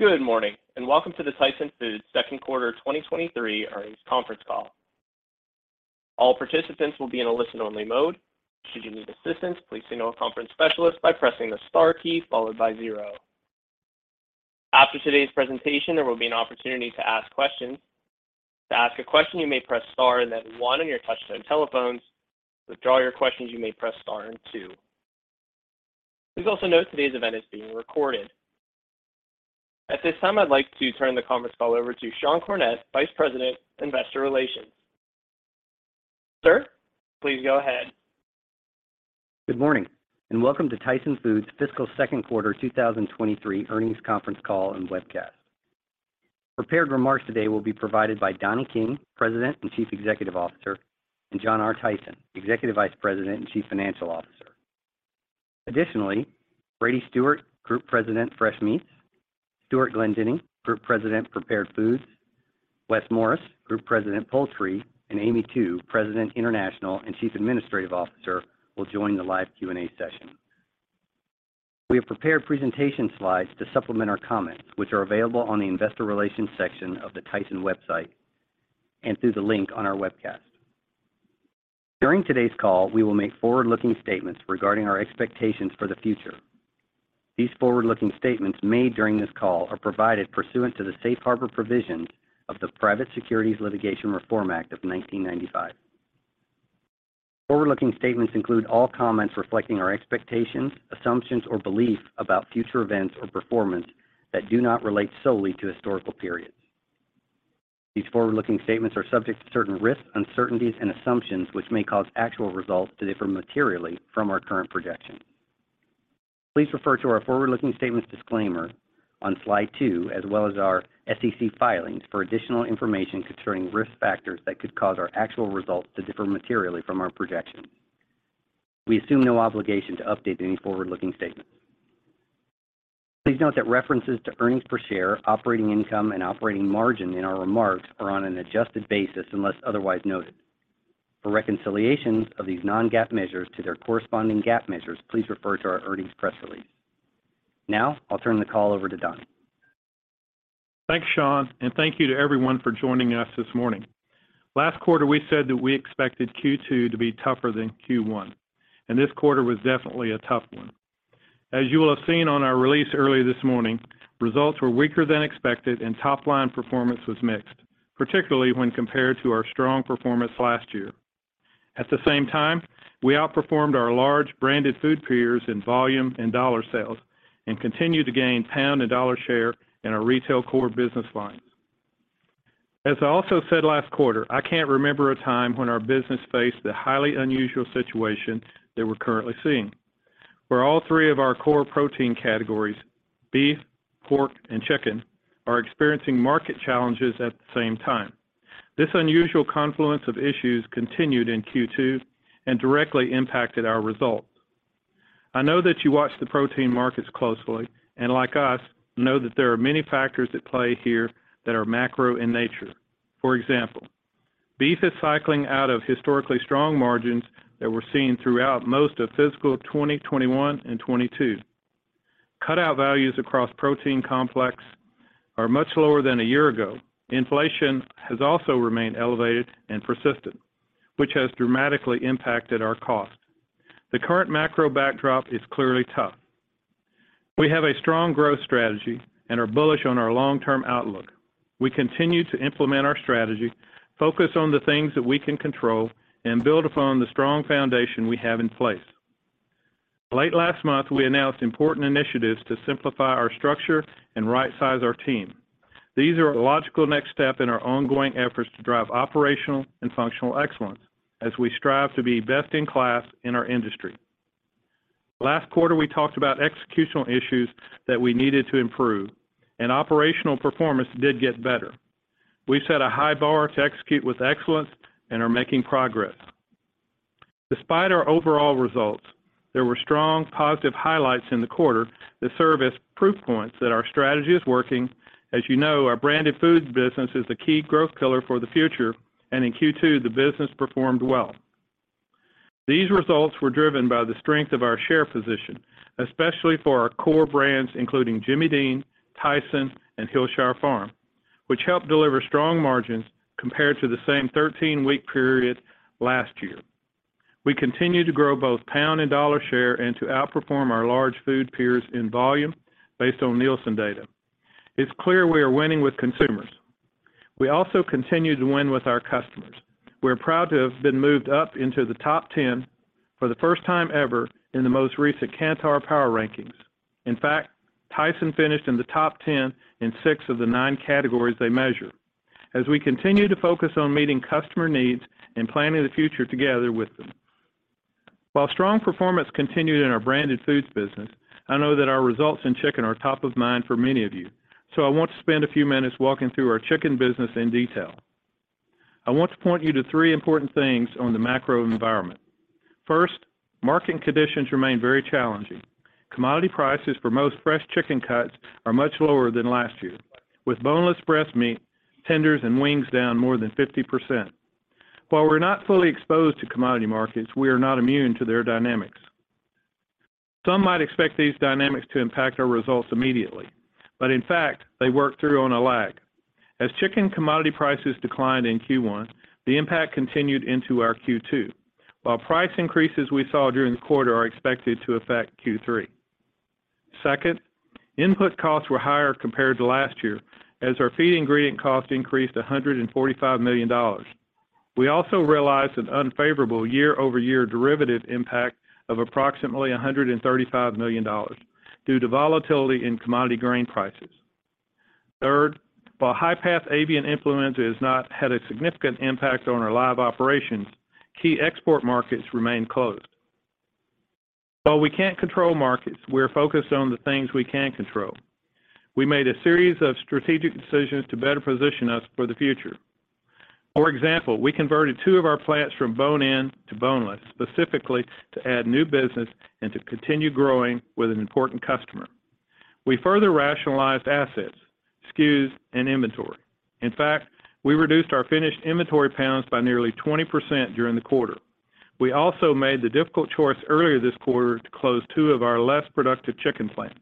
Good morning, welcome to the Tyson Foods second quarter 2023 earnings conference call. All participants will be in a listen-only mode. Should you need assistance, please signal a conference specialist by pressing the star key followed by 0. After today's presentation, there will be an opportunity to ask questions. To ask a question, you may press Star and then 1 on your touch tone telephones. To withdraw your questions, you may press star and 2. Please also note today's event is being recorded. At this time, I'd like to turn the conference call over to Sean Cornett, Vice President, Investor Relations. Sir, please go ahead. Good morning, and welcome to Tyson Foods' fiscal second quarter 2023 earnings conference call and webcast. Prepared remarks today will be provided by Donnie King, President and Chief Executive Officer, and John R. Tyson, Executive Vice President and Chief Financial Officer. Additionally, Brady Stewart, Group President, Fresh Meats, Stewart Glendinning, Group President, Prepared Foods, Wes Morris, Group President, Poultry, and Amy Tu, President, International, and Chief Administrative Officer will join the live Q&A session. We have prepared presentation slides to supplement our comments, which are available on the Investor Relations section of the Tyson website and through the link on our webcast. During today's call, we will make forward-looking statements regarding our expectations for the future. These forward-looking statements made during this call are provided pursuant to the Safe Harbor provisions of the Private Securities Litigation Reform Act of 1995. Forward-looking statements include all comments reflecting our expectations, assumptions, or beliefs about future events or performance that do not relate solely to historical periods. These forward-looking statements are subject to certain risks, uncertainties and assumptions which may cause actual results to differ materially from our current projections. Please refer to our forward-looking statements disclaimer on slide two as well as our SEC filings for additional information concerning risk factors that could cause our actual results to differ materially from our projections. We assume no obligation to update any forward-looking statement. Please note that references to earnings per share, operating income and operating margin in our remarks are on an adjusted basis unless otherwise noted. For reconciliations of these non-GAAP measures to their corresponding GAAP measures, please refer to our earnings press release. Now, I'll turn the call over to Don. Thanks, Sean, and thank you to everyone for joining us this morning. Last quarter, we said that we expected Q2 to be tougher than Q1, and this quarter was definitely a tough one. As you will have seen on our release earlier this morning, results were weaker than expected and top-line performance was mixed, particularly when compared to our strong performance last year. At the same time, we outperformed our large branded food peers in volume and dollar sales and continue to gain pound and dollar share in our retail core business lines. As I also said last quarter, I can't remember a time when our business faced the highly unusual situation that we're currently seeing, where all three of our core protein categories, beef, pork, and chicken, are experiencing market challenges at the same time. This unusual confluence of issues continued in Q2 and directly impacted our results. I know that you watch the protein markets closely, and like us, know that there are many factors at play here that are macro in nature. For example, beef is cycling out of historically strong margins that were seen throughout most of fiscal 2021 and 2022. Cutout values across protein complex are much lower than a year ago. Inflation has also remained elevated and persistent, which has dramatically impacted our cost. The current macro backdrop is clearly tough. We have a strong growth strategy and are bullish on our long-term outlook. We continue to implement our strategy, focus on the things that we can control and build upon the strong foundation we have in place. Late last month, we announced important initiatives to simplify our structure and right-size our team. These are a logical next step in our ongoing efforts to drive operational and functional excellence as we strive to be best in class in our industry. Last quarter, we talked about executional issues that we needed to improve. Operational performance did get better. We've set a high bar to execute with excellence and are making progress. Despite our overall results, there were strong positive highlights in the quarter that serve as proof points that our strategy is working. As you know, our branded foods business is the key growth pillar for the future. In Q2, the business performed well. These results were driven by the strength of our share position, especially for our core brands, including Jimmy Dean, Tyson, and Hillshire Farm, which helped deliver strong margins compared to the same 13-week period last year. We continue to grow both pound and dollar share and to outperform our large food peers in volume based on Nielsen data. It's clear we are winning with consumers. We also continue to win with our customers. We're proud to have been moved up into the top 10 for the first time ever in the most recent Kantar PoweRanking. In fact, Tyson finished in the top 10 in 6 of the 9 categories they measure. As we continue to focus on meeting customer needs and planning the future together with them. While strong performance continued in our branded foods business, I know that our results in chicken are top of mind for many of you, so I want to spend a few minutes walking through our chicken business in detail. I want to point you to 3 important things on the macro environment. First, market conditions remain very challenging. Commodity prices for most fresh chicken cuts are much lower than last year, with boneless breast meat, tenders, and wings down more than 50%. While we're not fully exposed to commodity markets, we are not immune to their dynamics. In fact, they work through on a lag. As chicken commodity prices declined in Q1, the impact continued into our Q2, while price increases we saw during the quarter are expected to affect Q3. Second, input costs were higher compared to last year as our feed ingredient cost increased $145 million. We also realized an unfavorable year-over-year derivative impact of approximately $135 million due to volatility in commodity grain prices. Third, while high path Avian Influenza has not had a significant impact on our live operations, key export markets remain closed. While we can't control markets, we're focused on the things we can control. We made a series of strategic decisions to better position us for the future. For example, we converted two of our plants from bone-in to boneless, specifically to add new business and to continue growing with an important customer. We further rationalized assets, SKUs, and inventory. In fact, we reduced our finished inventory pounds by nearly 20% during the quarter. We also made the difficult choice earlier this quarter to close two of our less productive chicken plants.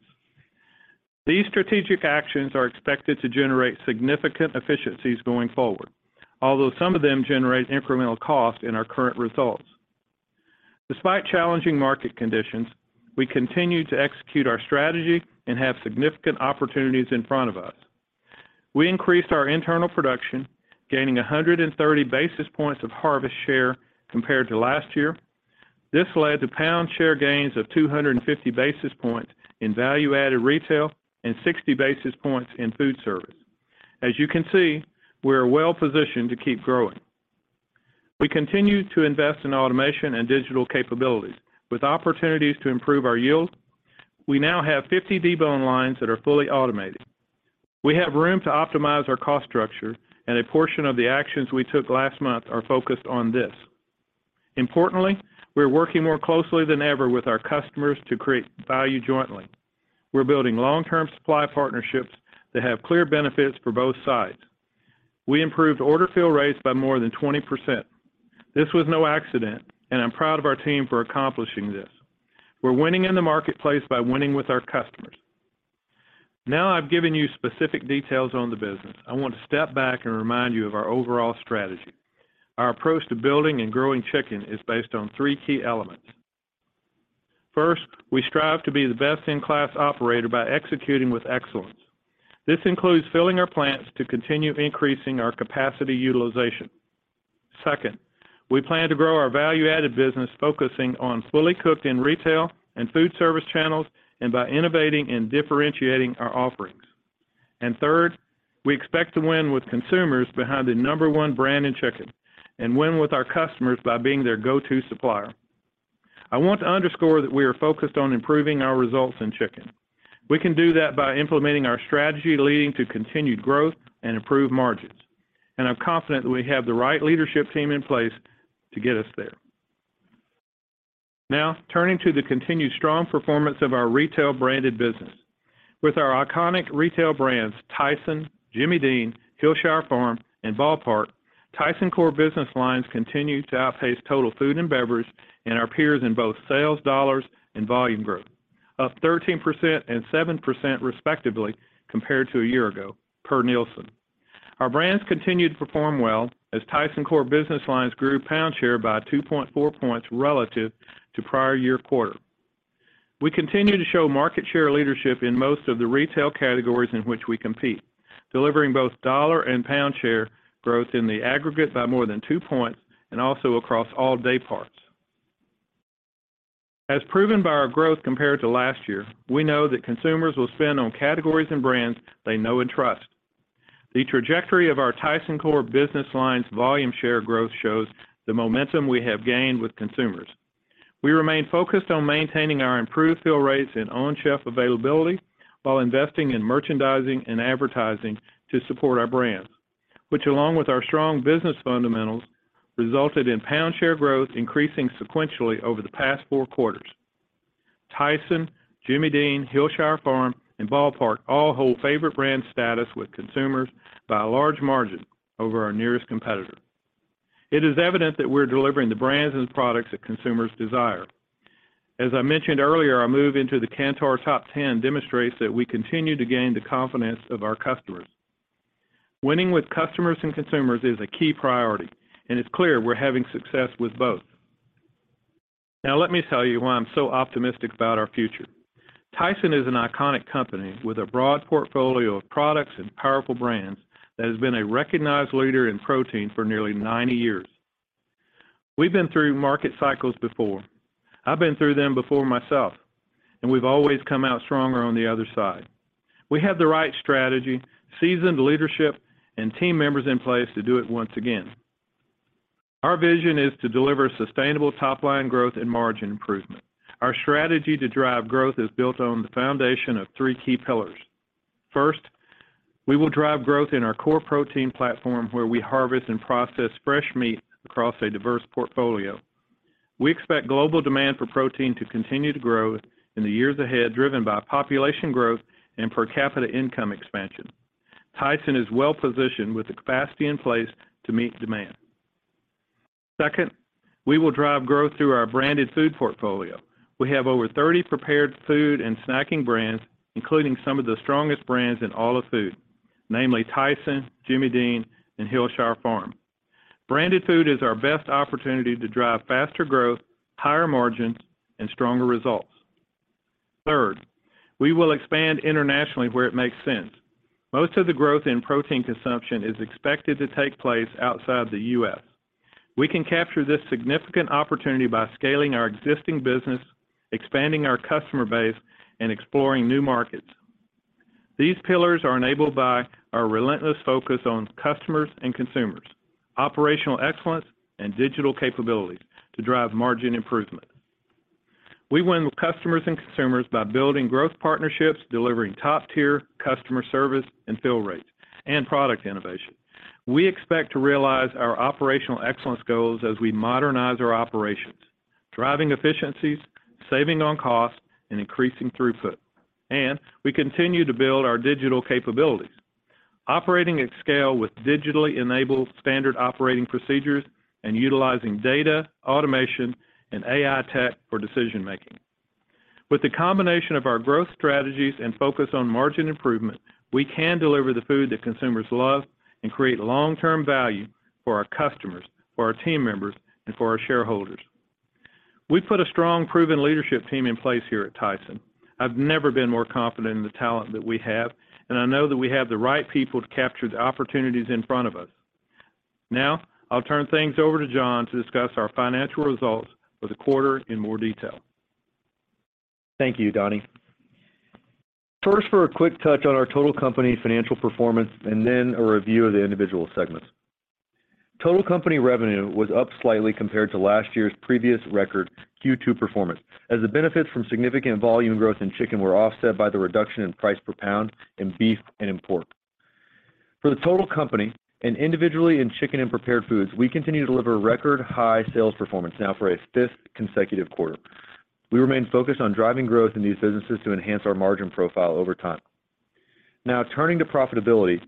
These strategic actions are expected to generate significant efficiencies going forward, although some of them generate incremental cost in our current results. Despite challenging market conditions, we continue to execute our strategy and have significant opportunities in front of us. We increased our internal production, gaining 130 basis points of harvest share compared to last year. This led to pound share gains of 250 basis points in value-added retail and 60 basis points in food service. You can see, we're well-positioned to keep growing. We continue to invest in automation and digital capabilities with opportunities to improve our yield. We now have 50 debone lines that are fully automated. We have room to optimize our cost structure, a portion of the actions we took last month are focused on this. Importantly, we're working more closely than ever with our customers to create value jointly. We're building long-term supply partnerships that have clear benefits for both sides. We improved order fill rates by more than 20%. This was no accident, I'm proud of our team for accomplishing this. We're winning in the marketplace by winning with our customers. Now I've given you specific details on the business, I want to step back and remind you of our overall strategy. Our approach to building and growing chicken is based on three key elements. First, we strive to be the best-in-class operator by executing with excellence. This includes filling our plants to continue increasing our capacity utilization. Second, we plan to grow our value-added business, focusing on fully cooked in retail and food service channels and by innovating and differentiating our offerings. Third, we expect to win with consumers behind the number one brand in chicken and win with our customers by being their go-to supplier. I want to underscore that we are focused on improving our results in chicken. We can do that by implementing our strategy leading to continued growth and improved margins, and I'm confident that we have the right leadership team in place to get us there. Now turning to the continued strong performance of our retail branded business. With our iconic retail brands, Tyson, Jimmy Dean, Hillshire Farm, and Ball Park, Tyson core business lines continue to outpace total food and beverage and our peers in both sales dollars and volume growth, up 13% and 7% respectively compared to a year ago per Nielsen. Our brands continued to perform well as Tyson core business lines grew pound share by 2.4 points relative to prior year quarter. We continue to show market share leadership in most of the retail categories in which we compete, delivering both dollar and pound share growth in the aggregate by more than two points and also across all day parts. As proven by our growth compared to last year, we know that consumers will spend on categories and brands they know and trust. The trajectory of the Tyson core business lines volume share growth shows the momentum we have gained with consumers. We remain focused on maintaining our improved fill rates and on-shelf availability while investing in merchandising and advertising to support our brands, which along with our strong business fundamentals, resulted in pound share growth increasing sequentially over the past four quarters. Tyson, Jimmy Dean, Hillshire Farm, and Ball Park all hold favorite brand status with consumers by a large margin over our nearest competitor. It is evident that we're delivering the brands and products that consumers desire. As I mentioned earlier, our move into the Kantar top 10 demonstrates that we continue to gain the confidence of our customers. Winning with customers and consumers is a key priority, and it's clear we're having success with both. Let me tell you why I'm so optimistic about our future. Tyson is an iconic company with a broad portfolio of products and powerful brands that has been a recognized leader in protein for nearly 90 years. We've been through market cycles before. I've been through them before myself, and we've always come out stronger on the other side. We have the right strategy, seasoned leadership, and team members in place to do it once again. Our vision is to deliver sustainable top-line growth and margin improvement. Our strategy to drive growth is built on the foundation of 3 key pillars. First, we will drive growth in our core protein platform where we harvest and process fresh meat across a diverse portfolio. We expect global demand for protein to continue to grow in the years ahead, driven by population growth and per capita income expansion. Tyson is well positioned with the capacity in place to meet demand. Second, we will drive growth through our branded food portfolio. We have over 30 prepared food and snacking brands, including some of the strongest brands in all of food, namely Tyson, Jimmy Dean, and Hillshire Farm. Branded food is our best opportunity to drive faster growth, higher margins and stronger results. Third, we will expand internationally where it makes sense. Most of the growth in protein consumption is expected to take place outside the U.S. We can capture this significant opportunity by scaling our existing business, expanding our customer base, and exploring new markets. These pillars are enabled by our relentless focus on customers and consumers, operational excellence and digital capabilities to drive margin improvement. We win with customers and consumers by building growth partnerships, delivering top-tier customer service and fill rates and product innovation. We expect to realize our operational excellence goals as we modernize our operations, driving efficiencies, saving on costs and increasing throughput. We continue to build our digital capabilities, operating at scale with digitally enabled standard operating procedures and utilizing data automation and AI tech for decision making. With the combination of our growth strategies and focus on margin improvement, we can deliver the food that consumers love and create long-term value for our customers, for our team members, and for our shareholders. We've put a strong, proven leadership team in place here at Tyson. I've never been more confident in the talent that we have, and I know that we have the right people to capture the opportunities in front of us. Now, I'll turn things over to John to discuss our financial results for the quarter in more detail. Thank you, Donnie. First, for a quick touch on our total company financial performance and then a review of the individual segments. Total company revenue was up slightly compared to last year's previous record Q2 performance, as the benefits from significant volume growth in chicken were offset by the reduction in price per pound in beef and in pork. For the total company and individually in chicken and prepared foods, we continue to deliver record high sales performance now for a fifth consecutive quarter. We remain focused on driving growth in these businesses to enhance our margin profile over time. Now turning to profitability.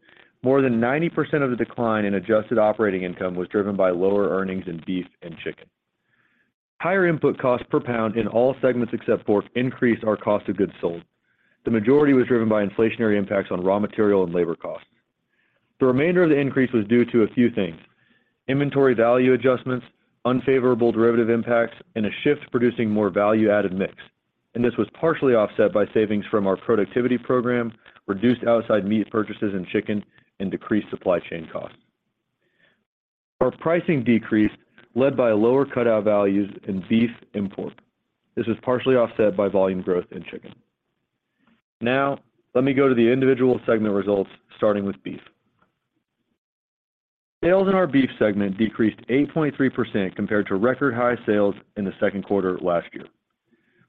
More than 90% of the decline in adjusted operating income was driven by lower earnings in beef and chicken. Higher input costs per pound in all segments except pork increased our cost of goods sold. The majority was driven by inflationary impacts on raw material and labor costs. The remainder of the increase was due to a few things. Inventory value adjustments, unfavorable derivative impacts, and a shift to producing more value added mix. This was partially offset by savings from our productivity program, reduced outside meat purchases in chicken and decreased supply chain costs. Our pricing decreased led by lower cutout values in beef and pork. This was partially offset by volume growth in chicken. Let me go to the individual segment results, starting with beef. Sales in our beef segment decreased 8.3% compared to record high sales in the second quarter last year.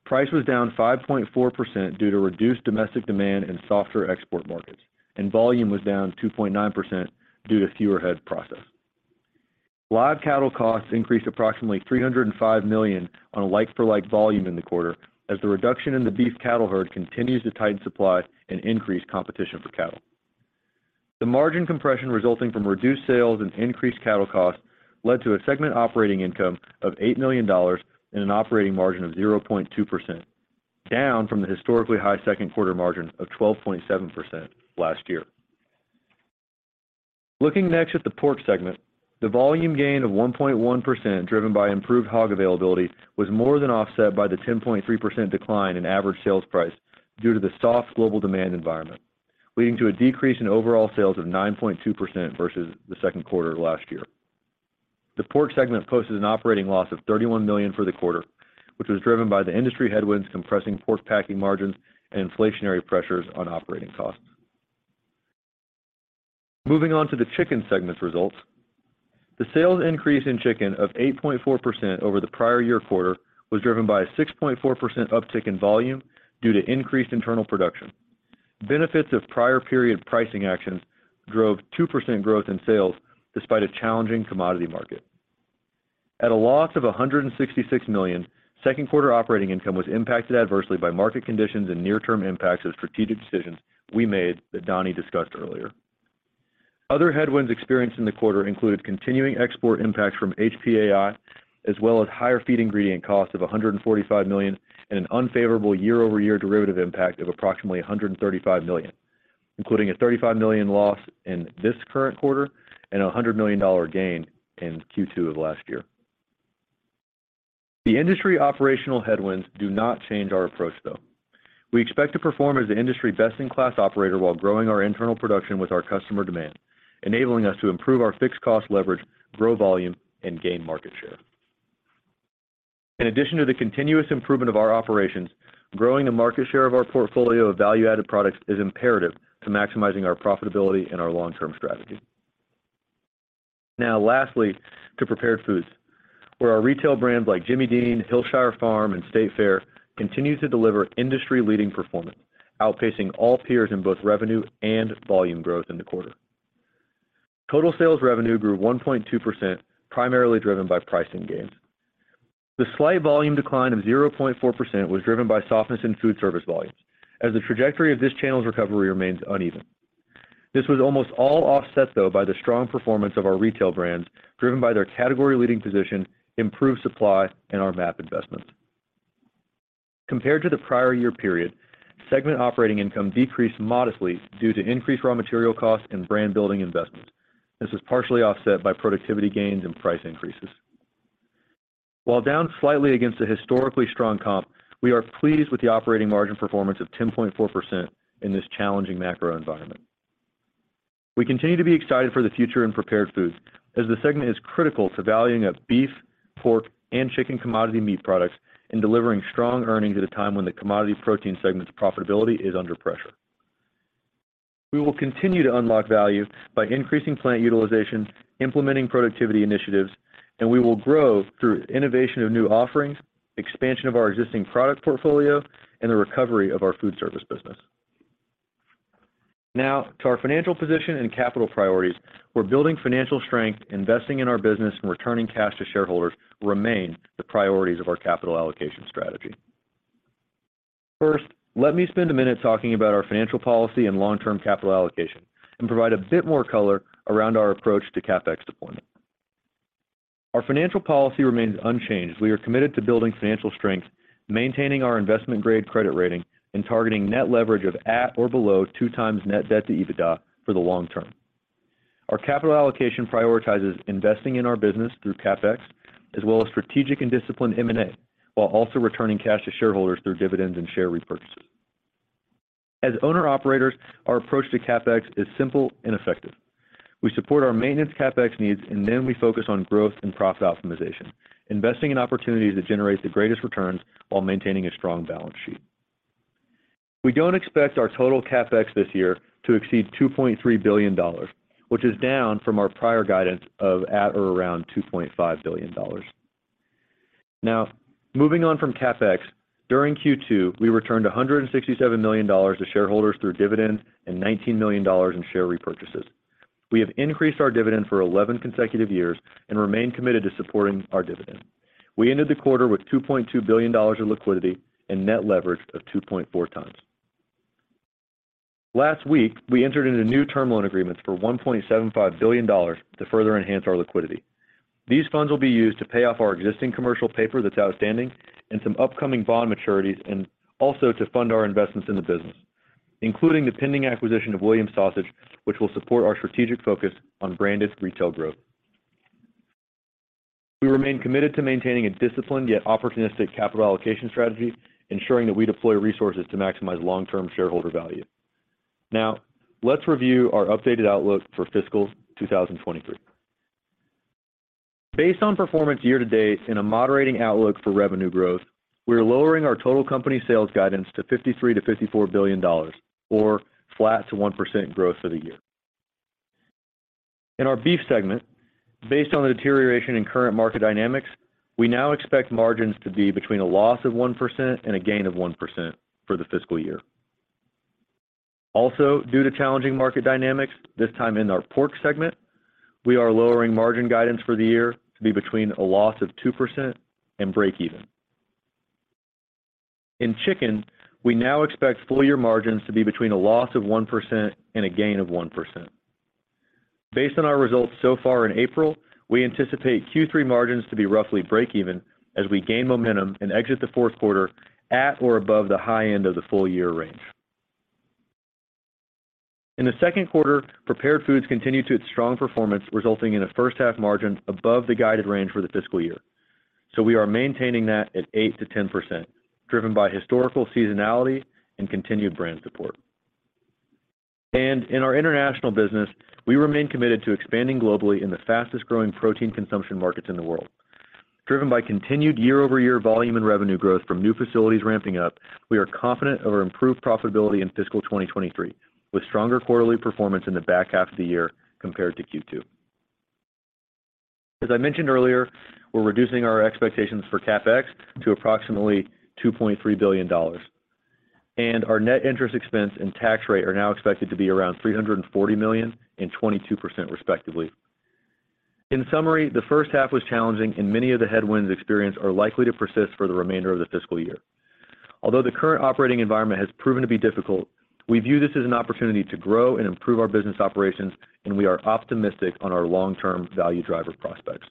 Price was down 5.4% due to reduced domestic demand and softer export markets. Volume was down 2.9% due to fewer heads processed. Live cattle costs increased approximately $305 million on a like for like volume in the quarter as the reduction in the beef cattle herd continues to tighten supply and increase competition for cattle. The margin compression resulting from reduced sales and increased cattle costs led to a segment operating income of $8 million and an operating margin of 0.2%, down from the historically high second quarter margin of 12.7% last year. Looking next at the pork segment. The volume gain of 1.1%, driven by improved hog availability, was more than offset by the 10.3% decline in average sales price due to the soft global demand environment, leading to a decrease in overall sales of 9.2% versus the second quarter of last year. The pork segment posted an operating loss of $31 million for the quarter, which was driven by the industry headwinds compressing pork packing margins and inflationary pressures on operating costs. Moving on to the chicken segment results. The sales increase in chicken of 8.4% over the prior year quarter was driven by a 6.4% uptick in volume due to increased internal production. Benefits of prior period pricing actions drove 2% growth in sales despite a challenging commodity market. At a loss of $166 million, second quarter operating income was impacted adversely by market conditions and near-term impacts of strategic decisions we made that Donnie discussed earlier. Other headwinds experienced in the quarter included continuing export impacts from HPAI, as well as higher feed ingredient costs of $145 million and an unfavorable year-over-year derivative impact of approximately $135 million, including a $35 million loss in this current quarter and a $100 million gain in Q2 of last year. The industry operational headwinds do not change our approach, though. We expect to perform as an industry best in class operator while growing our internal production with our customer demand, enabling us to improve our fixed cost leverage, grow volume and gain market share. In addition to the continuous improvement of our operations, growing the market share of our portfolio of value-added products is imperative to maximizing our profitability and our long-term strategy. Lastly to prepared foods, where our retail brands like Jimmy Dean, Hillshire Farm and State Fair continue to deliver industry leading performance, outpacing all peers in both revenue and volume growth in the quarter. Total sales revenue grew 1.2%, primarily driven by pricing gains. The slight volume decline of 0.4% was driven by softness in food service volumes as the trajectory of this channel's recovery remains uneven. This was almost all offset, though, by the strong performance of our retail brands, driven by their category-leading position, improved supply, and our MAP investment. Compared to the prior year period, segment operating income decreased modestly due to increased raw material costs and brand-building investments. This was partially offset by productivity gains and price increases. While down slightly against a historically strong comp, we are pleased with the operating margin performance of 10.4% in this challenging macro environment. We continue to be excited for the future in Prepared Foods as the segment is critical to valuing of beef, pork, and chicken commodity meat products and delivering strong earnings at a time when the commodity protein segment's profitability is under pressure. We will continue to unlock value by increasing plant utilization, implementing productivity initiatives, and we will grow through innovation of new offerings, expansion of our existing product portfolio, and the recovery of our food service business. Now to our financial position and capital priorities, where building financial strength, investing in our business, and returning cash to shareholders remain the priorities of our capital allocation strategy. First, let me spend a minute talking about our financial policy and long-term capital allocation and provide a bit more color around our approach to CapEx deployment. Our financial policy remains unchanged as we are committed to building financial strength, maintaining our investment-grade credit rating, and targeting net leverage of at or below 2 times net debt to EBITDA for the long term. Our capital allocation prioritizes investing in our business through CapEx as well as strategic and disciplined M&A, while also returning cash to shareholders through dividends and share repurchases. As owner-operators, our approach to CapEx is simple and effective. We support our maintenance CapEx needs, and then we focus on growth and profit optimization, investing in opportunities that generate the greatest returns while maintaining a strong balance sheet. We don't expect our total CapEx this year to exceed $2.3 billion, which is down from our prior guidance of at or around $2.5 billion. Moving on from CapEx, during Q2, we returned $167 million to shareholders through dividends and $19 million in share repurchases. We have increased our dividend for 11 consecutive years and remain committed to supporting our dividend. We ended the quarter with $2.2 billion in liquidity and net leverage of 2.4 times. Last week, we entered into new term loan agreements for $1.75 billion to further enhance our liquidity. These funds will be used to pay off our existing commercial paper that's outstanding and some upcoming bond maturities and also to fund our investments in the business, including the pending acquisition of Williams Sausage, which will support our strategic focus on branded retail growth. We remain committed to maintaining a disciplined yet opportunistic capital allocation strategy, ensuring that we deploy resources to maximize long-term shareholder value. Let's review our updated outlook for fiscal 2023. Based on performance year-to-date and a moderating outlook for revenue growth, we are lowering our total company sales guidance to $53 billion-$54 billion or flat to 1% growth for the year. In our beef segment, based on the deterioration in current market dynamics, we now expect margins to be between a loss of 1% and a gain of 1% for the fiscal year. Due to challenging market dynamics, this time in our pork segment, we are lowering margin guidance for the year to be between a loss of 2% and breakeven. In chicken, we now expect full year margins to be between a loss of 1% and a gain of 1%. Based on our results so far in April, we anticipate Q3 margins to be roughly breakeven as we gain momentum and exit the fourth quarter at or above the high end of the full year range. In the second quarter, prepared foods continued its strong performance, resulting in a first half margin above the guided range for the fiscal year. We are maintaining that at 8%-10%, driven by historical seasonality and continued brand support. In our international business, we remain committed to expanding globally in the fastest-growing protein consumption markets in the world. Driven by continued year-over-year volume and revenue growth from new facilities ramping up, we are confident of our improved profitability in fiscal 2023, with stronger quarterly performance in the back half of the year compared to Q2. As I mentioned earlier, we're reducing our expectations for CapEx to approximately $2.3 billion, and our net interest expense and tax rate are now expected to be around $340 million and 22% respectively. In summary, the first half was challenging, and many of the headwinds experienced are likely to persist for the remainder of the fiscal year. Although the current operating environment has proven to be difficult, we view this as an opportunity to grow and improve our business operations, and we are optimistic on our long-term value driver prospects.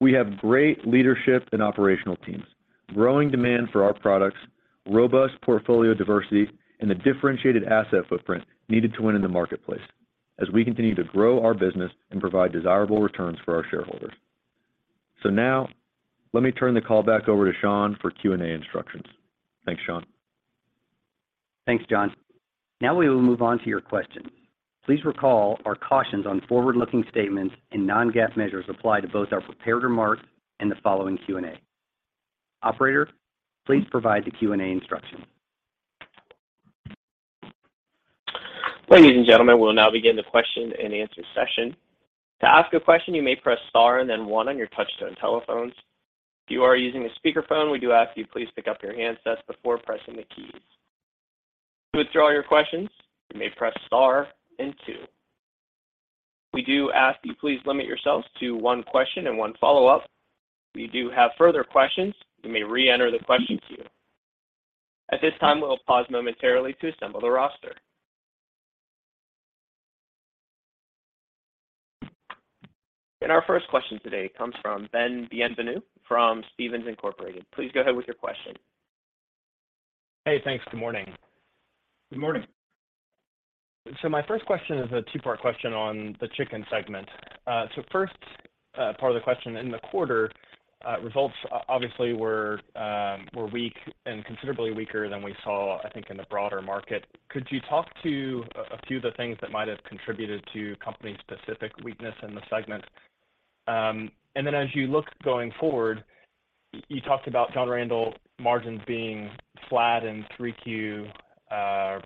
We have great leadership and operational teams, growing demand for our products, robust portfolio diversity, and the differentiated asset footprint needed to win in the marketplace as we continue to grow our business and provide desirable returns for our shareholders. Now let me turn the call back over to Sean for Q&A instructions. Thanks, Sean. Thanks, John. Now we will move on to your questions. Please recall our cautions on forward-looking statements and non-GAAP measures apply to both our prepared remarks and the following Q&A. Operator, please provide the Q&A instructions. Ladies and gentlemen, we'll now begin the question-and-answer session. To ask a question, you may press star and then one on your touchtone telephones. If you are using a speakerphone, we do ask you please pick up your handsets before pressing the key. To withdraw your questions, you may press star then two. We do ask you please limit yourselves to one question and one follow-up. If you do have further questions, you may re-enter the question queue. At this time, we'll pause momentarily to assemble the roster. Our first question today comes from Ben Bienvenu from Stephens Inc.. Please go ahead with your question. Hey, thanks. Good morning. Good morning. My first question is a two-part question on the chicken segment. First, part of the question, in the quarter, results obviously were weak and considerably weaker than we saw, I think, in the broader market. Could you talk to a few of the things that might have contributed to company-specific weakness in the segment? And then as you look going forward, you talked about John Randal margins being flat in 3Q,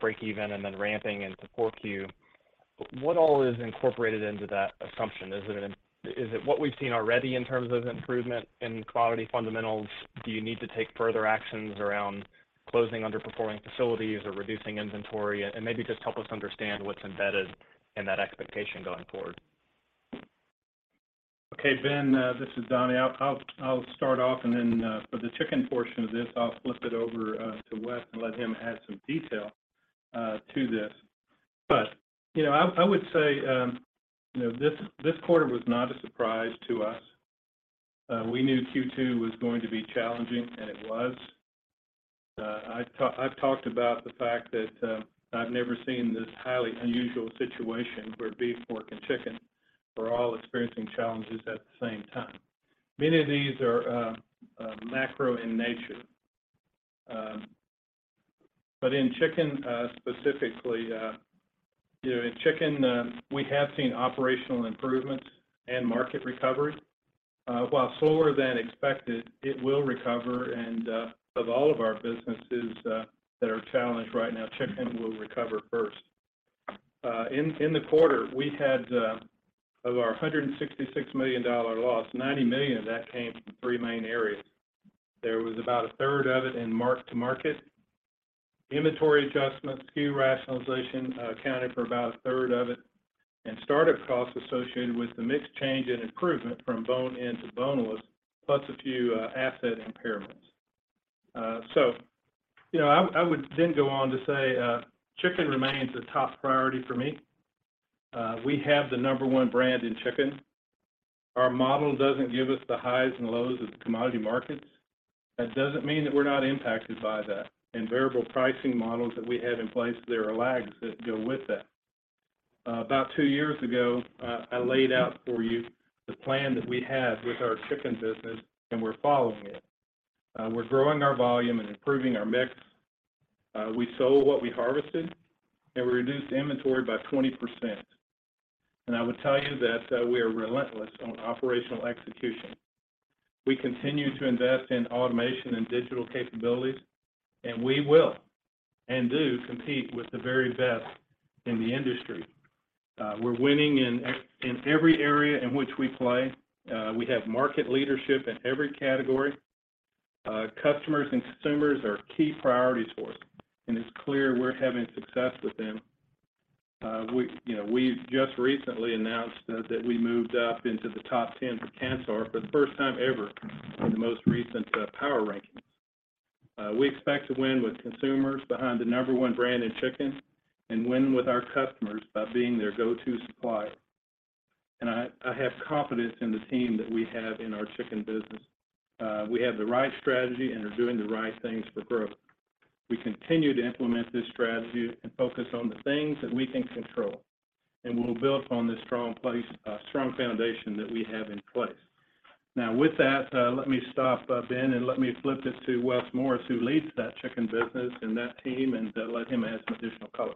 break even and then ramping into 4Q. What all is incorporated into that assumption? Is it what we've seen already in terms of improvement in commodity fundamentals? Do you need to take further actions around closing underperforming facilities or reducing inventory? Maybe just help us understand what's embedded in that expectation going forward. Okay, Ben, this is Donnie. I'll start off and then for the chicken portion of this, I'll flip it over to Wes and let him add some detail to this. You know, I would say, you know, this quarter was not a surprise to us. We knew Q2 was going to be challenging, and it was. I've talked about the fact that I've never seen this highly unusual situation where beef, pork, and chicken were all experiencing challenges at the same time. Many of these are macro in nature. In chicken, specifically, you know, in chicken, we have seen operational improvements and market recovery. Uh, while slower than expected, it will recover, and, uh, of all of our businesses, uh, that are challenged right now, chicken will recover first. Uh, in, in the quarter, we had, uh, of our hundred and sixty-six million dollar loss, ninety million of that came from three main areas. There was about a third of it in mark-to-market. Inventory adjustments, SKU rationalization, uh, accounted for about a third of it, and startup costs associated with the mix change and improvement from bone-in to boneless, plus a few, uh, asset impairments. Uh, so, you know, I, I would then go on to say, uh, chicken remains a top priority for me. Uh, we have the number one brand in chicken. Our model doesn't give us the highs and lows of the commodity markets. That doesn't mean that we're not impacted by that. In variable pricing models that we have in place, there are lags that go with that. About 2 years ago, I laid out for you the plan that we had with our chicken business, and we're following it. We're growing our volume and improving our mix. We sold what we harvested, and we reduced inventory by 20%. I would tell you that, we are relentless on operational execution. We continue to invest in automation and digital capabilities, and we will and do compete with the very best in the industry. We're winning in every area in which we play. We have market leadership in every category. Customers and consumers are key priorities for us, and it's clear we're having success with them. We, you know, we've just recently announced that we moved up into the top 10 for Kantar for the first time ever in the most recent PoweRanking. We expect to win with consumers behind the number 1 brand in chicken and win with our customers by being their go-to supplier. I have confidence in the team that we have in our chicken business. We have the right strategy and are doing the right things for growth. We continue to implement this strategy and focus on the things that we can control, and we'll build upon this strong foundation that we have in place. Now, with that, let me stop, Ben, and let me flip this to Wes Morris, who leads that chicken business and that team, and let him add some additional color.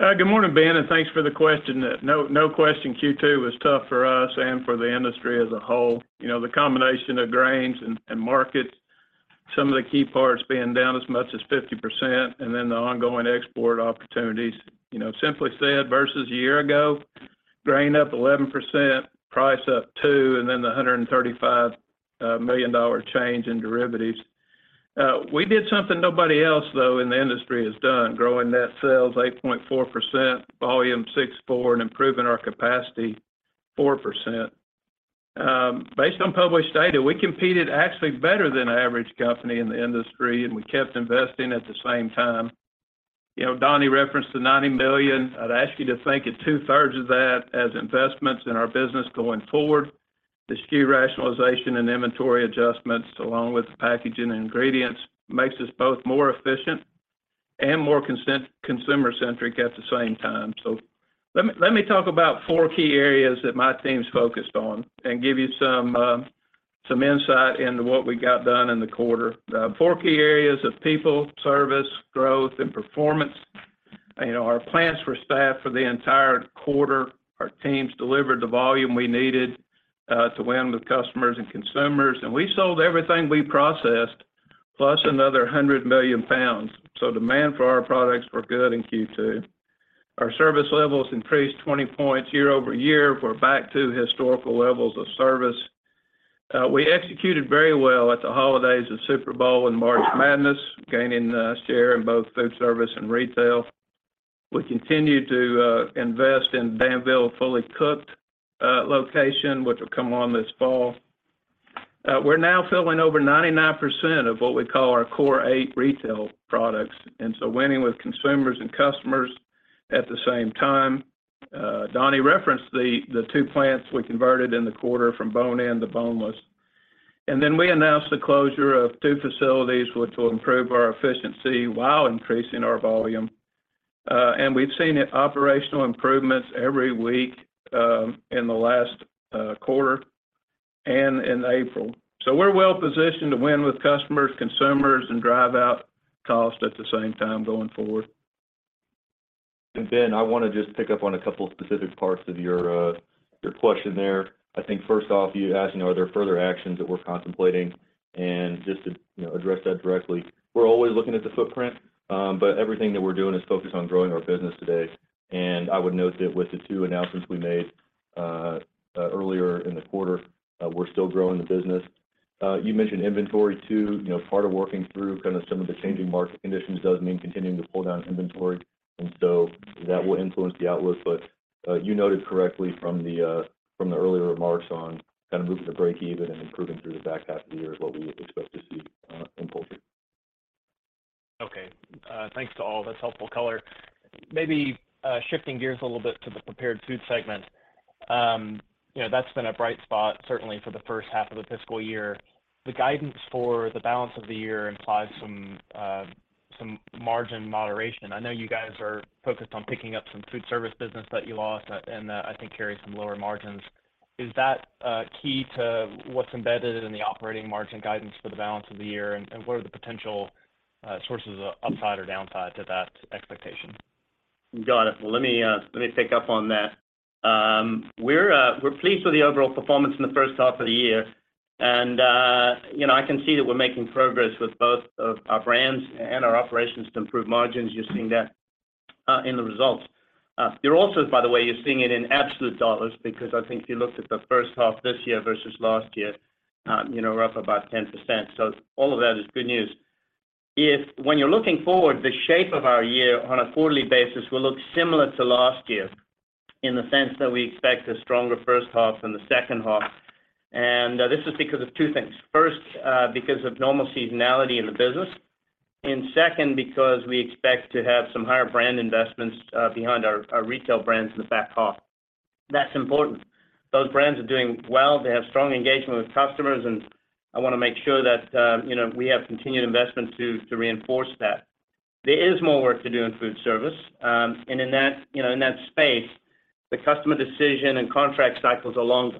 Good morning, Ben, and thanks for the question. No, no question, Q2 was tough for us and for the industry as a whole. You know, the combination of grains and markets, some of the key parts being down as much as 50%, and then the ongoing export opportunities. You know, simply said, versus a year ago, grain up 11%, price up 2%, and then the $135 million change in derivatives. We did something nobody else, though, in the industry has done, growing net sales 8.4%, volume 6.4%, and improving our capacity 4%. Based on published data, we competed actually better than an average company in the industry, and we kept investing at the same time. You know, Donnie referenced the $90 million. I'd ask you to think of two-thirds of that as investments in our business going forward. The SKU rationalization and inventory adjustments, along with packaging and ingredients, makes us both more efficient and more consumer-centric at the same time. Let me talk about 4 key areas that my team's focused on and give you some insight into what we got done in the quarter. The 4 key areas of people, service, growth, and performance. You know, our plants were staffed for the entire quarter. Our teams delivered the volume we needed to win with customers and consumers, and we sold everything we processed, plus another 100 million pounds. Demand for our products were good in Q2. Our service levels increased 20 points year-over-year. We're back to historical levels of service. We executed very well at the holidays of Super Bowl and March Madness, gaining share in both food service and retail. We continue to invest in Danville fully cooked location, which will come on this fall. We're now filling over 99% of what we call our core eight retail products, winning with consumers and customers at the same time. Donnie referenced the 2 plants we converted in the quarter from bone in to boneless. We announced the closure of 2 facilities, which will improve our efficiency while increasing our volume. We've seen operational improvements every week in the last quarter and in April. We're well positioned to win with customers, consumers, and drive out cost at the same time going forward. Ben, I want to just pick up on a couple of specific parts of your question there. I think first off, you asked, you know, are there further actions that we're contemplating? Just to, you know, address that directly, we're always looking at the footprint, but everything that we're doing is focused on growing our business today. I would note that with the 2 announcements we made earlier in the quarter, we're still growing the business. You mentioned inventory too. You know, part of working through kind of some of the changing market conditions does mean continuing to pull down inventory, that will influence the outlook. you noted correctly from the from the earlier remarks on kinda moving to breakeven and improving through the back half of the year is what we would expect to see in poultry. Thanks to all. That's helpful color. Maybe, shifting gears a little bit to the Prepared Foods Segment. You know, that's been a bright spot certainly for the first half of the fiscal year. The guidance for the balance of the year implies some margin moderation. I know you guys are focused on picking up some food service business that you lost, and that I think carries some lower margins. Is that key to what's embedded in the operating margin guidance for the balance of the year, and what are the potential sources of upside or downside to that expectation? Got it. Let me pick up on that. We're pleased with the overall performance in the first half of the year and, you know, I can see that we're making progress with both of our brands and our operations to improve margins. You're seeing that in the results. You're also, by the way, you're seeing it in absolute dollars because I think if you looked at the first half this year versus last year, you know, we're up about 10%. All of that is good news. If when you're looking forward, the shape of our year on a quarterly basis will look similar to last year in the sense that we expect a stronger first half than the second half. This is because of two things. First, because of normal seasonality in the business, second, because we expect to have some higher brand investments behind our retail brands in the back half. That's important. Those brands are doing well. They have strong engagement with customers, and I wanna make sure that, you know, we have continued investments to reinforce that. There is more work to do in food service. In that, you know, in that space, the customer decision and contract cycles are longer.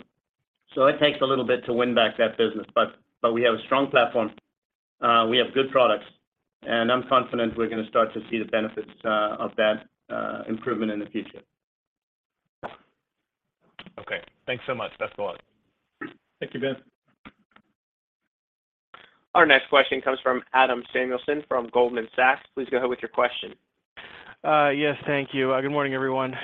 It takes a little bit to win back that business, but we have a strong platform. We have good products, and I'm confident we're gonna start to see the benefits of that improvement in the future. Okay. Thanks so much. That's all. Thank you, Ben. Our next question comes from Adam Samuelson from Goldman Sachs. Please go ahead with your question. Yes, thank you. Good morning, everyone. Good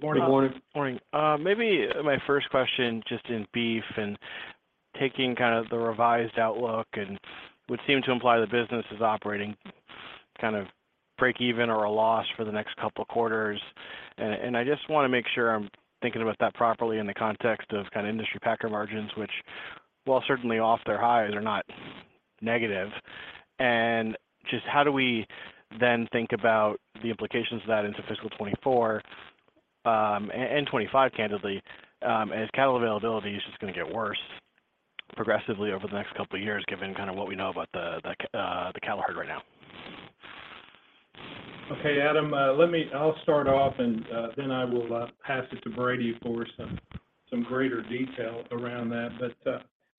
morning. Good morning. Morning. Maybe my first question just in beef and taking kinda the revised outlook and would seem to imply the business is operating kind of breakeven or a loss for the next couple quarters. I just wanna make sure I'm thinking about that properly in the context of kinda industry packer margins, which while certainly off their highs are not negative. Just how do we then think about the implications of that into fiscal 24 and 25 candidly, as cattle availability is just gonna get worse progressively over the next couple of years given kinda what we know about the cattle herd right now? Okay, Adam, I'll start off and then I will pass it to Brady for some greater detail around that.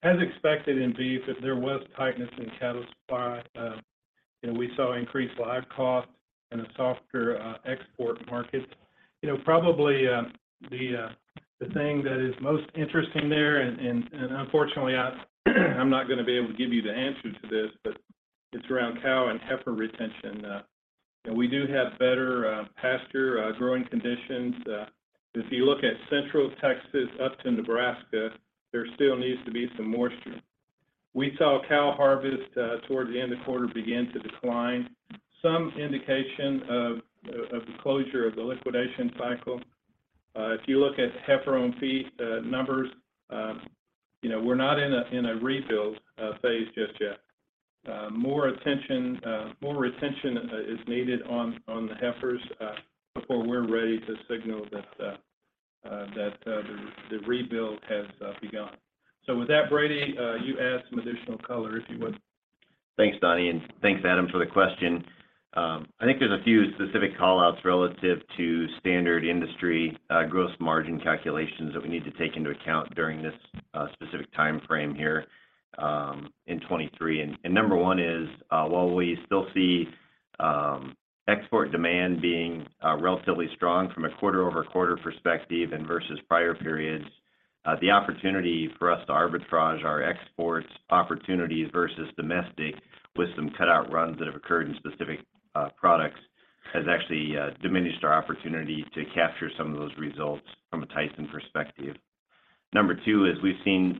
As expected in beef, if there was tightness in cattle supply, you know, we saw increased live costs and a softer export market. You know, probably the thing that is most interesting there and unfortunately I'm not gonna be able to give you the answer to this, but it's around cow and heifer retention. We do have better pasture growing conditions. If you look at Central Texas up to Nebraska, there still needs to be some moisture. We saw cow harvest towards the end of the quarter begin to decline. Some indication of the closure of the liquidation cycle. If you look at heifer on feed numbers, you know, we're not in a rebuild phase just yet. More attention, more retention is needed on the heifers before we're ready to signal that that the rebuild has begun. With that, Brady, you add some additional color if you would. Thanks, Donnie, and thanks Adam for the question. I think there's a few specific call-outs relative to standard industry gross margin calculations that we need to take into account during this specific timeframe here in 2023. Number one is while we still see export demand being relatively strong from a quarter-over-quarter perspective and versus prior periods, the opportunity for us to arbitrage our exports opportunities versus domestic with some cutout runs that have occurred in specific products has actually diminished our opportunity to capture some of those results from a Tyson perspective. Number two is we've seen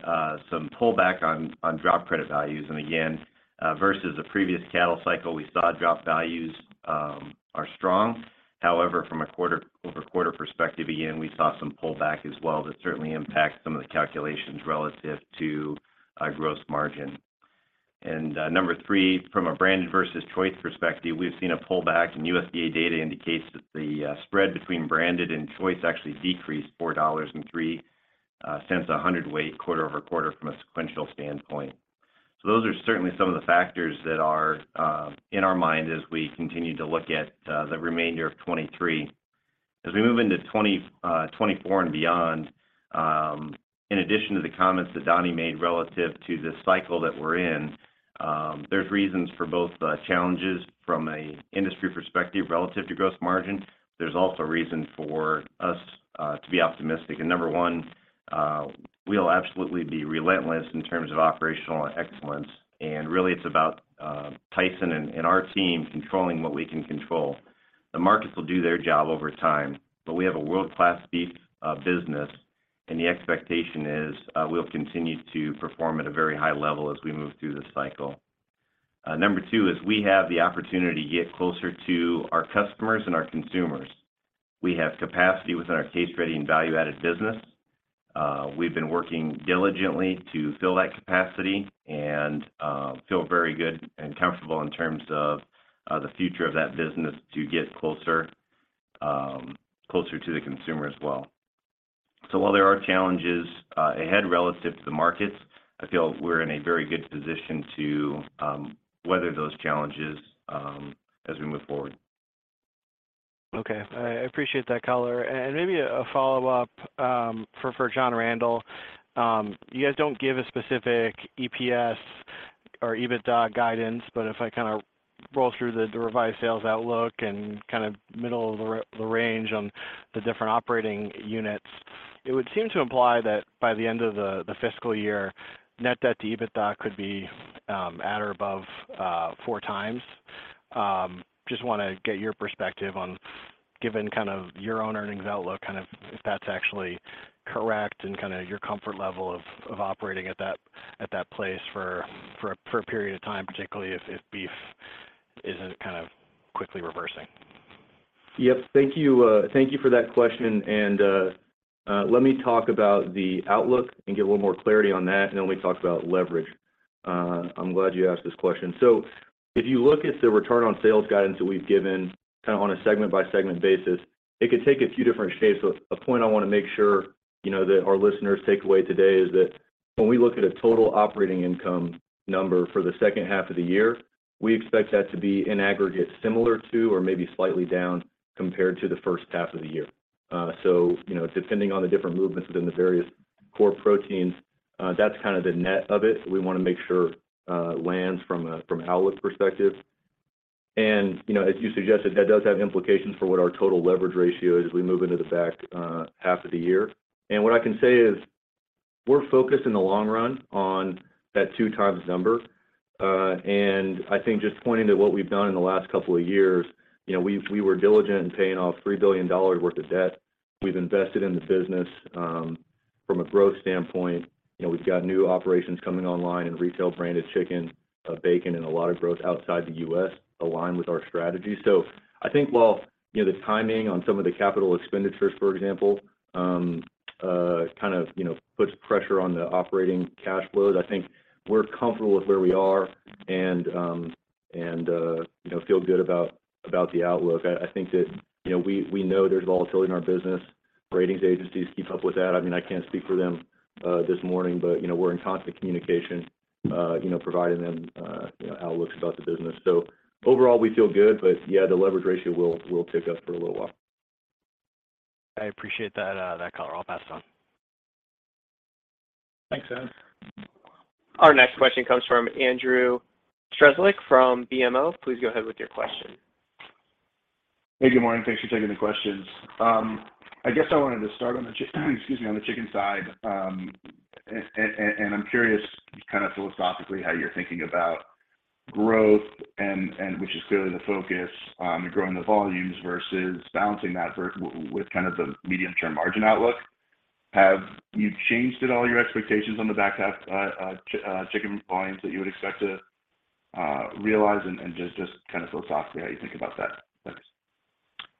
some pullback on drop credit values and again, versus a previous cattle cycle, we saw drop values are strong. From a quarter-over-quarter perspective, again, we saw some pullback as well that certainly impacts some of the calculations relative to our gross margin. Number three, from a branded versus choice perspective, we've seen a pullback and USDA data indicates that the spread between branded and choice actually decreased $4.03 a hundred weight quarter-over-quarter from a sequential standpoint. Those are certainly some of the factors that are in our mind as we continue to look at the remainder of 2023. As we move into 2024 and beyond, in addition to the comments that Donnie made relative to the cycle that we're in, there's reasons for both challenges from an industry perspective relative to gross margin. There's also reason for us to be optimistic. Number one, we'll absolutely be relentless in terms of operational excellence, and really it's about Tyson and our team controlling what we can control. The markets will do their job over time, but we have a world-class beef business, and the expectation is we'll continue to perform at a very high level as we move through this cycle. Number two is we have the opportunity to get closer to our customers and our consumers. We have capacity within our case-ready and value-added business. We've been working diligently to fill that capacity and feel very good and comfortable in terms of the future of that business to get closer to the consumer as well. While there are challenges ahead relative to the markets, I feel we're in a very good position to weather those challenges as we move forward. Okay. I appreciate that color. Maybe a follow-up for John Randal. You guys don't give a specific EPS or EBITDA guidance, but if I kind of roll through the revised sales outlook and kind of middle of the range on the different operating units, it would seem to imply that by the end of the fiscal year, net debt to EBITDA could be at or above 4 times. Just wanna get your perspective on given kind of your own earnings outlook, kind of if that's actually correct and kinda your comfort level of operating at that place for a period of time, particularly if beef isn't kind of quickly reversing. Yes. Thank you, thank you for that question and, let me talk about the outlook and give a little more clarity on that, and then we talk about leverage. I'm glad you asked this question. If you look at the return on sales guidance that we've given kind of on a segment-by-segment basis, it could take a few different shapes. A point I wanna make sure, you know, that our listeners take away today is that when we look at a total operating income number for the second half of the year, we expect that to be in aggregate similar to or maybe slightly down compared to the first half of the year. You know, depending on the different movements within the various core proteins, that's kind of the net of it we wanna make sure lands from outlook perspective. You know, as you suggested, that does have implications for what our total leverage ratio is as we move into the back half of the year. What I can say is we're focused in the long run on that 2 times number. I think just pointing to what we've done in the last couple of years, you know, we were diligent in paying off $3 billion worth of debt. We've invested in the business from a growth standpoint. You know, we've got new operations coming online and retail branded chicken, bacon, and a lot of growth outside the U.S. aligned with our strategy. I think while, you know, the timing on some of the capital expenditures, for example, kind of, you know, puts pressure on the operating cash flows, I think we're comfortable with where we are and, you know, feel good about the outlook. I think that, you know, we know there's volatility in our business. Ratings agencies keep up with that. I mean, I can't speak for them, this morning, but, you know, we're in constant communication, you know, providing them, you know, outlooks about the business. Overall, we feel good, but yeah, the leverage ratio will tick up for a little while. I appreciate that color. I'll pass it on. Thanks, Adam. Our next question comes from Andrew Strelzik from BMO. Please go ahead with your question. Hey, good morning. Thanks for taking the questions. I guess I wanted to start on the chicken side. I'm curious kind of philosophically how you're thinking about growth and which is clearly the focus, growing the volumes versus balancing that with kind of the medium-term margin outlook. Have you changed at all your expectations on the back half chicken volumes that you would expect to realize? Just kind of philosophically how you think about that.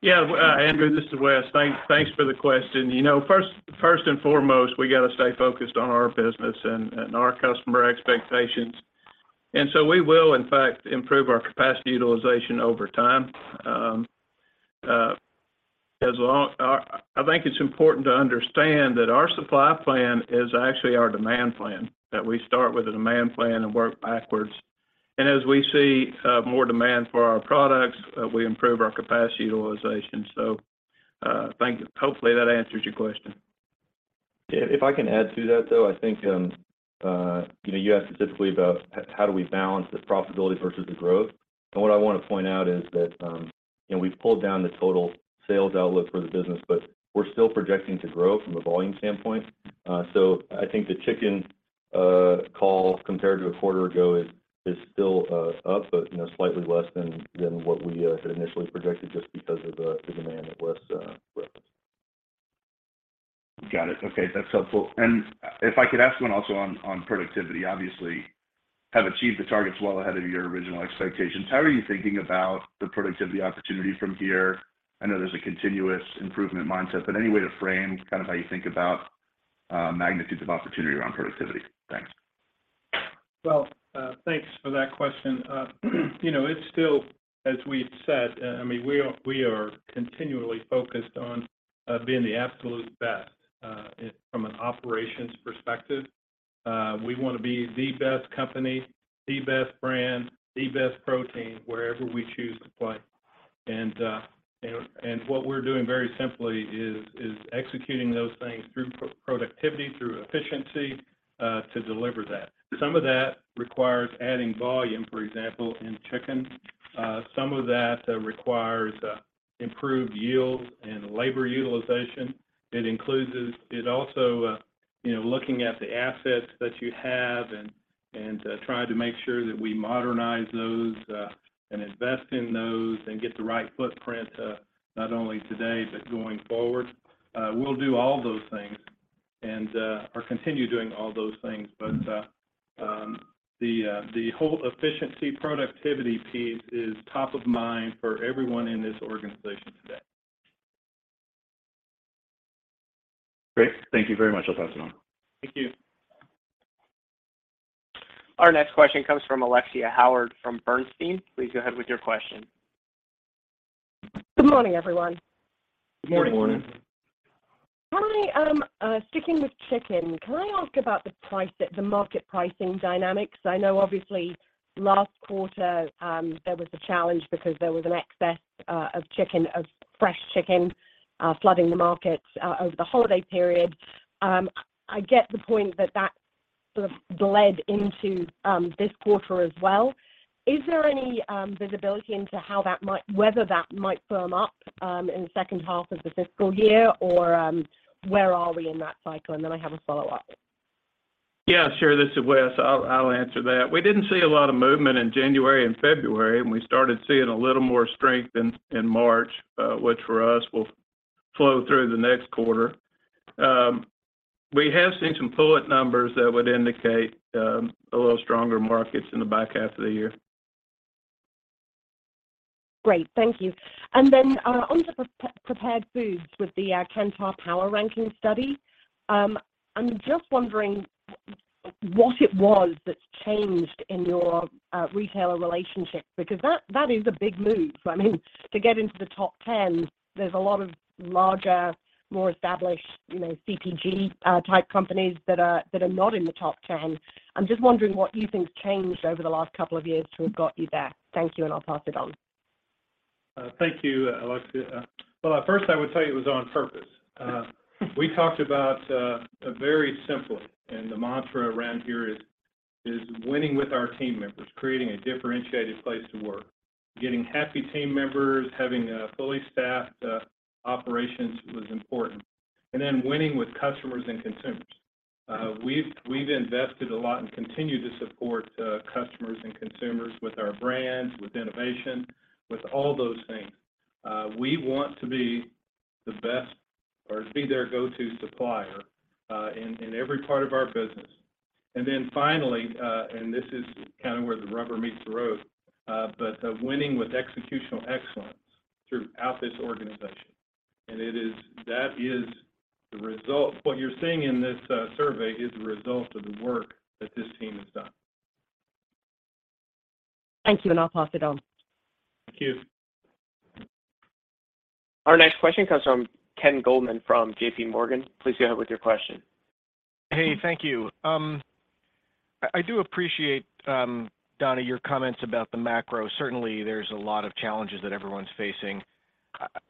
Thanks. Yeah. Andrew, this is Wes. Thanks for the question. You know, first and foremost, we gotta stay focused on our business and our customer expectations, we will in fact improve our capacity utilization over time. I think it's important to understand that our supply plan is actually our demand plan, that we start with a demand plan and work backwards. As we see more demand for our products, we improve our capacity utilization. Thank you. Hopefully, that answers your question. If I can add to that, though, I think, you know, you asked specifically about how do we balance the profitability versus the growth, and what I want to point out is that, you know, we've pulled down the total sales outlook for the business, but we're still projecting to grow from a volume standpoint. I think the chicken call compared to a quarter ago is still up, but, you know, slightly less than what we had initially projected just because of the demand that Wes referenced. Got it. Okay, that's helpful. If I could ask one also on productivity. Obviously, have achieved the targets well ahead of your original expectations. How are you thinking about the productivity opportunity from here? I know there's a continuous improvement mindset, but any way to frame kind of how you think about magnitudes of opportunity around productivity? Thanks. Well, thanks for that question. You know, it's still, as we've said, I mean, we are continually focused on being the absolute best from an operations perspective. We wanna be the best company, the best brand, the best protein wherever we choose to play. What we're doing very simply is executing those things through pro-productivity, through efficiency to deliver that. Some of that requires adding volume, for example, in chicken. Some of that requires improved yields and labor utilization. It also, you know, looking at the assets that you have and trying to make sure that we modernize those and invest in those and get the right footprint not only today, but going forward. We'll do all those things and or continue doing all those things. The whole efficiency productivity piece is top of mind for everyone in this organization today. Great. Thank you very much. I'll pass it on. Thank you. Our next question comes from Alexia Howard from Bernstein. Please go ahead with your question. Good morning, everyone. Good morning. Good morning. Hi. sticking with chicken, can I ask about the market pricing dynamics? I know obviously last quarter, there was a challenge because there was an excess of chicken, of fresh chicken, flooding the markets over the holiday period. I get the point that that sort of bled into this quarter as well. Is there any visibility into how that might-- whether that might firm up in the second half of the fiscal year or where are we in that cycle? I have a follow-up. Yeah, sure. This is Wes. I'll answer that. We didn't see a lot of movement in January and February. We started seeing a little more strength in March, which for us will flow through the next quarter. We have seen some pullet numbers that would indicate a little stronger markets in the back half of the year. Great. Thank you. Onto prepared foods with the Kantar PoweRanking study. I'm just wondering what it was that's changed in your retailer relationships, because that is a big move. I mean, to get into the top 10, there's a lot of larger, more established, you know, CPG type companies that are not in the top 10. I'm just wondering what you think's changed over the last couple of years to have got you there. Thank you, and I'll pass it on. Thank you, Alexia. Well, at first I would tell you it was on purpose. We talked about a very simple, the mantra around here is winning with our team members, creating a differentiated place to work. Getting happy team members, having a fully staffed operations was important. Then winning with customers and consumers. We've invested a lot and continue to support customers and consumers with our brands, with innovation, with all those things. We want to be the best or be their go-to supplier in every part of our business. Then finally, this is kind of where the rubber meets the road, but winning with executional excellence throughout this organization. That is the result. What you're seeing in this survey is the result of the work that this team has done. Thank you, and I'll pass it on. Thank you. Our next question comes from Ken Goldman from J.P. Morgan. Please go ahead with your question. Hey, thank you. I do appreciate, Donnie King, your comments about the macro. Certainly, there's a lot of challenges that everyone's facing.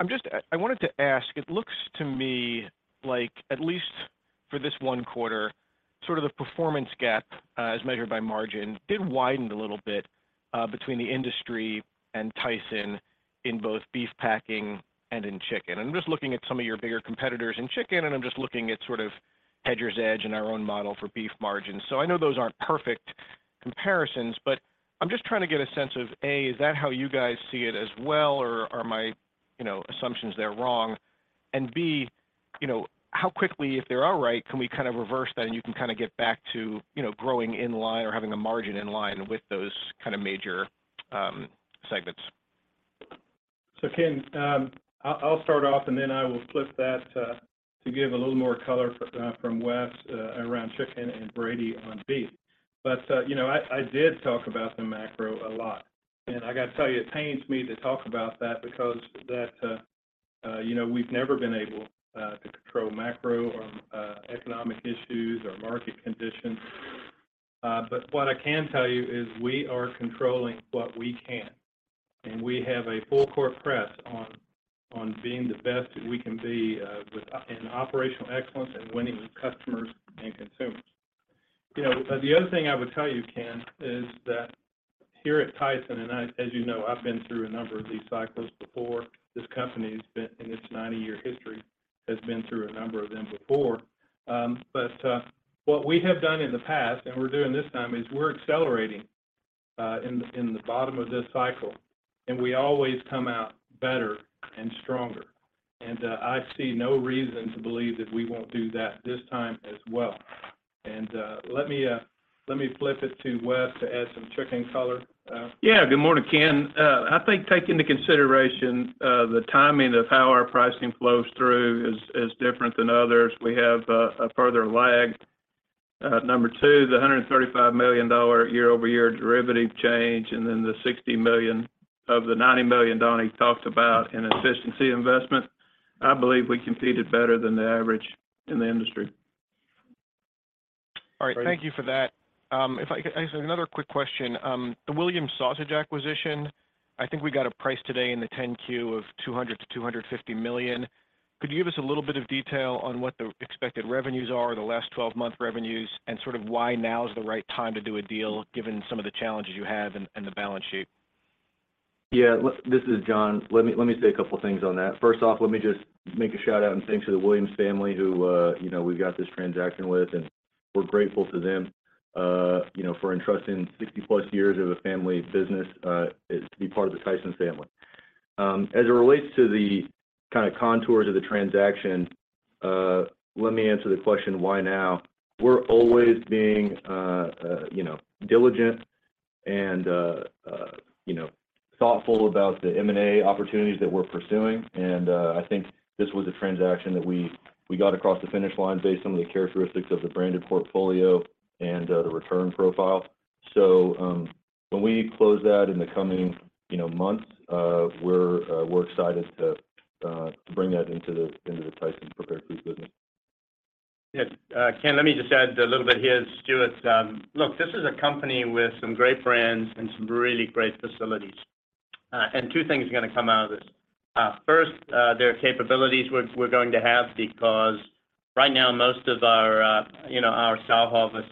I wanted to ask, it looks to me like, at least for this one quarter, sort of the performance gap as measured by margin did widen a little bit between the industry and Tyson in both beef packing and in chicken. I'm just looking at some of your bigger competitors in chicken, and I'm just looking at sort of HedgersEdge in our own model for beef margins. I know those aren't perfect comparisons, but I'm just trying to get a sense of, A, is that how you guys see it as well or are my, you know, assumptions there wrong? B, you know, how quickly, if they are right, can we kind of reverse that and you can kinda get back to, you know, growing in line or having a margin in line with those kind of major segments? Ken, I'll start off and then I will flip that to give a little more color from Wes around chicken and Brady on beef. You know, I did talk about the macro a lot. I gotta tell you, it pains me to talk about that because that, you know, we've never been able to control macro or economic issues or market conditions. What I can tell you is we are controlling what we can, and we have a full court press on being the best we can be in operational excellence and winning with customers and consumers. You know, the other thing I would tell you, Ken, is that here at Tyson, and I, as you know, I've been through a number of these cycles before. This company's in its 90-year history, has been through a number of them before. What we have done in the past, and we're doing this time, is we're accelerating in the bottom of this cycle, and we always come out better and stronger. I see no reason to believe that we won't do that this time as well. Let me let me flip it to Wes to add some chicken color. Yeah. Good morning, Ken. I think take into consideration the timing of how our pricing flows through is different than others. We have a further lag. Number two, the $135 million year-over-year derivative change, and then the $60 million of the $90 million Donnie talked about in efficiency investment, I believe we competed better than the average in the industry. All right. Thank you for that. I just have another quick question. The Williams Sausage acquisition, I think we got a price today in the 10-Q of $200 million-$250 million. Could you give us a little bit of detail on what the expected revenues are, the last twelve-month revenues, and sort of why now is the right time to do a deal, given some of the challenges you have and the balance sheet? Yeah. This is John. Let me say a couple things on that. First off, let me just make a shout-out and thanks to the Williams family who, you know, we've got this transaction with, and we're grateful to them, you know, for entrusting 60-plus years of a family business, it to be part of the Tyson family. As it relates to the kind of contours of the transaction, let me answer the question, why now? We're always being, you know, diligent and, you know, thoughtful about the M&A opportunities that we're pursuing. I think this was a transaction that we got across the finish line based on the characteristics of the branded portfolio and the return profile. When we close that in the coming, you know, months, we're excited to bring that into the Tyson Prepared Foods business. Yes. Ken, let me just add a little bit here as Stewart. Look, this is a company with some great brands and some really great facilities. Two things are gonna come out of this. First, their capabilities, we're going to have because right now most of our, you know, our south office,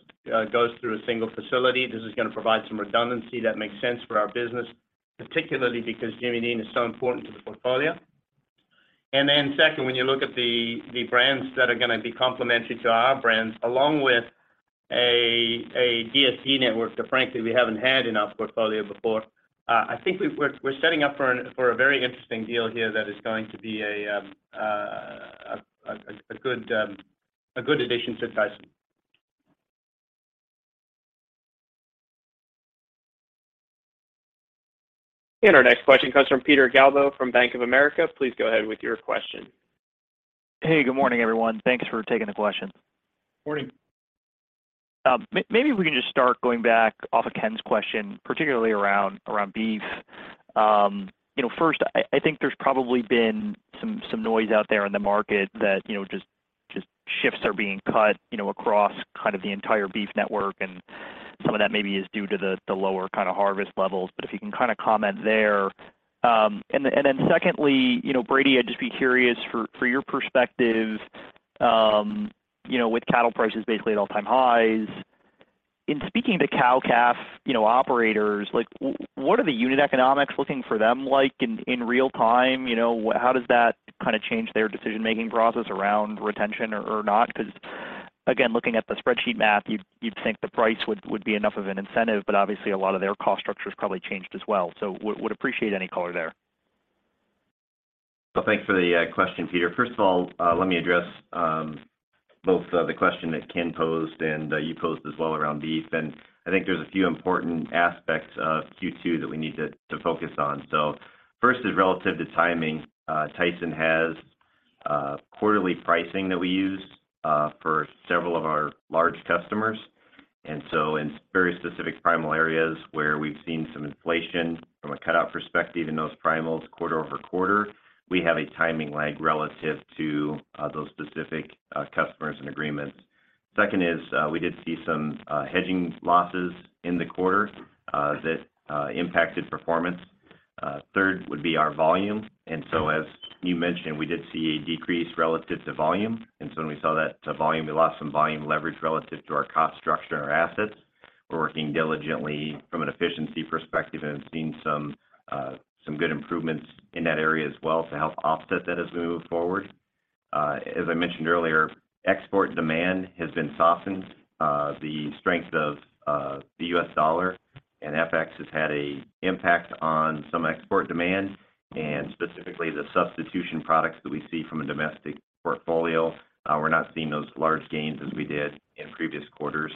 goes through a single facility. This is gonna provide some redundancy that makes sense for our business, particularly because Jimmy Dean is so important to the portfolio. Second, when you look at the brands that are gonna be complementary to our brands, along with a DSP network that frankly we haven't had in our portfolio before, I think we're setting up for a very interesting deal here that is going to be a good addition to Tyson. Our next question comes from Peter Galbo from Bank of America. Please go ahead with your question. Hey, good morning, everyone. Thanks for taking the question. Morning. Maybe we can just start going back off of Ken's question, particularly around beef. You know, first, I think there's probably been some noise out there in the market that, you know, just shifts are being cut, you know, across kind of the entire beef network, and some of that maybe is due to the lower kinda harvest levels. If you can kinda comment there. And then secondly, you know, Brady, I'd just be curious for your perspective, you know, with cattle prices basically at all-time highs, in speaking to cow-calf, you know, operators, like what are the unit economics looking for them like in real time? You know, how does that kinda change their decision-making process around retention or not? Again, looking at the spreadsheet math, you'd think the price would be enough of an incentive, but obviously a lot of their cost structure's probably changed as well. Would appreciate any color there. Well, thanks for the question, Peter. First of all, let me address both the question that Ken posed and you posed as well around beef. I think there's a few important aspects of Q2 that we need to focus on. First is relative to timing. Tyson has quarterly pricing that we use for several of our large customers. In very specific primal areas where we've seen some inflation from a cutout perspective in those primals quarter-over-quarter, we have a timing lag relative to those specific customers and agreements. Second is, we did see some hedging losses in the quarter that impacted performance. Third would be our volume. As you mentioned, we did see a decrease relative to volume. When we saw that volume, we lost some volume leverage relative to our cost structure and our assets. We're working diligently from an efficiency perspective and have seen some good improvements in that area as well to help offset that as we move forward. As I mentioned earlier, export demand has been softened. The strength of the US dollar and FX has had a impact on some export demand and specifically the substitution products that we see from a domestic portfolio. We're not seeing those large gains as we did in previous quarters.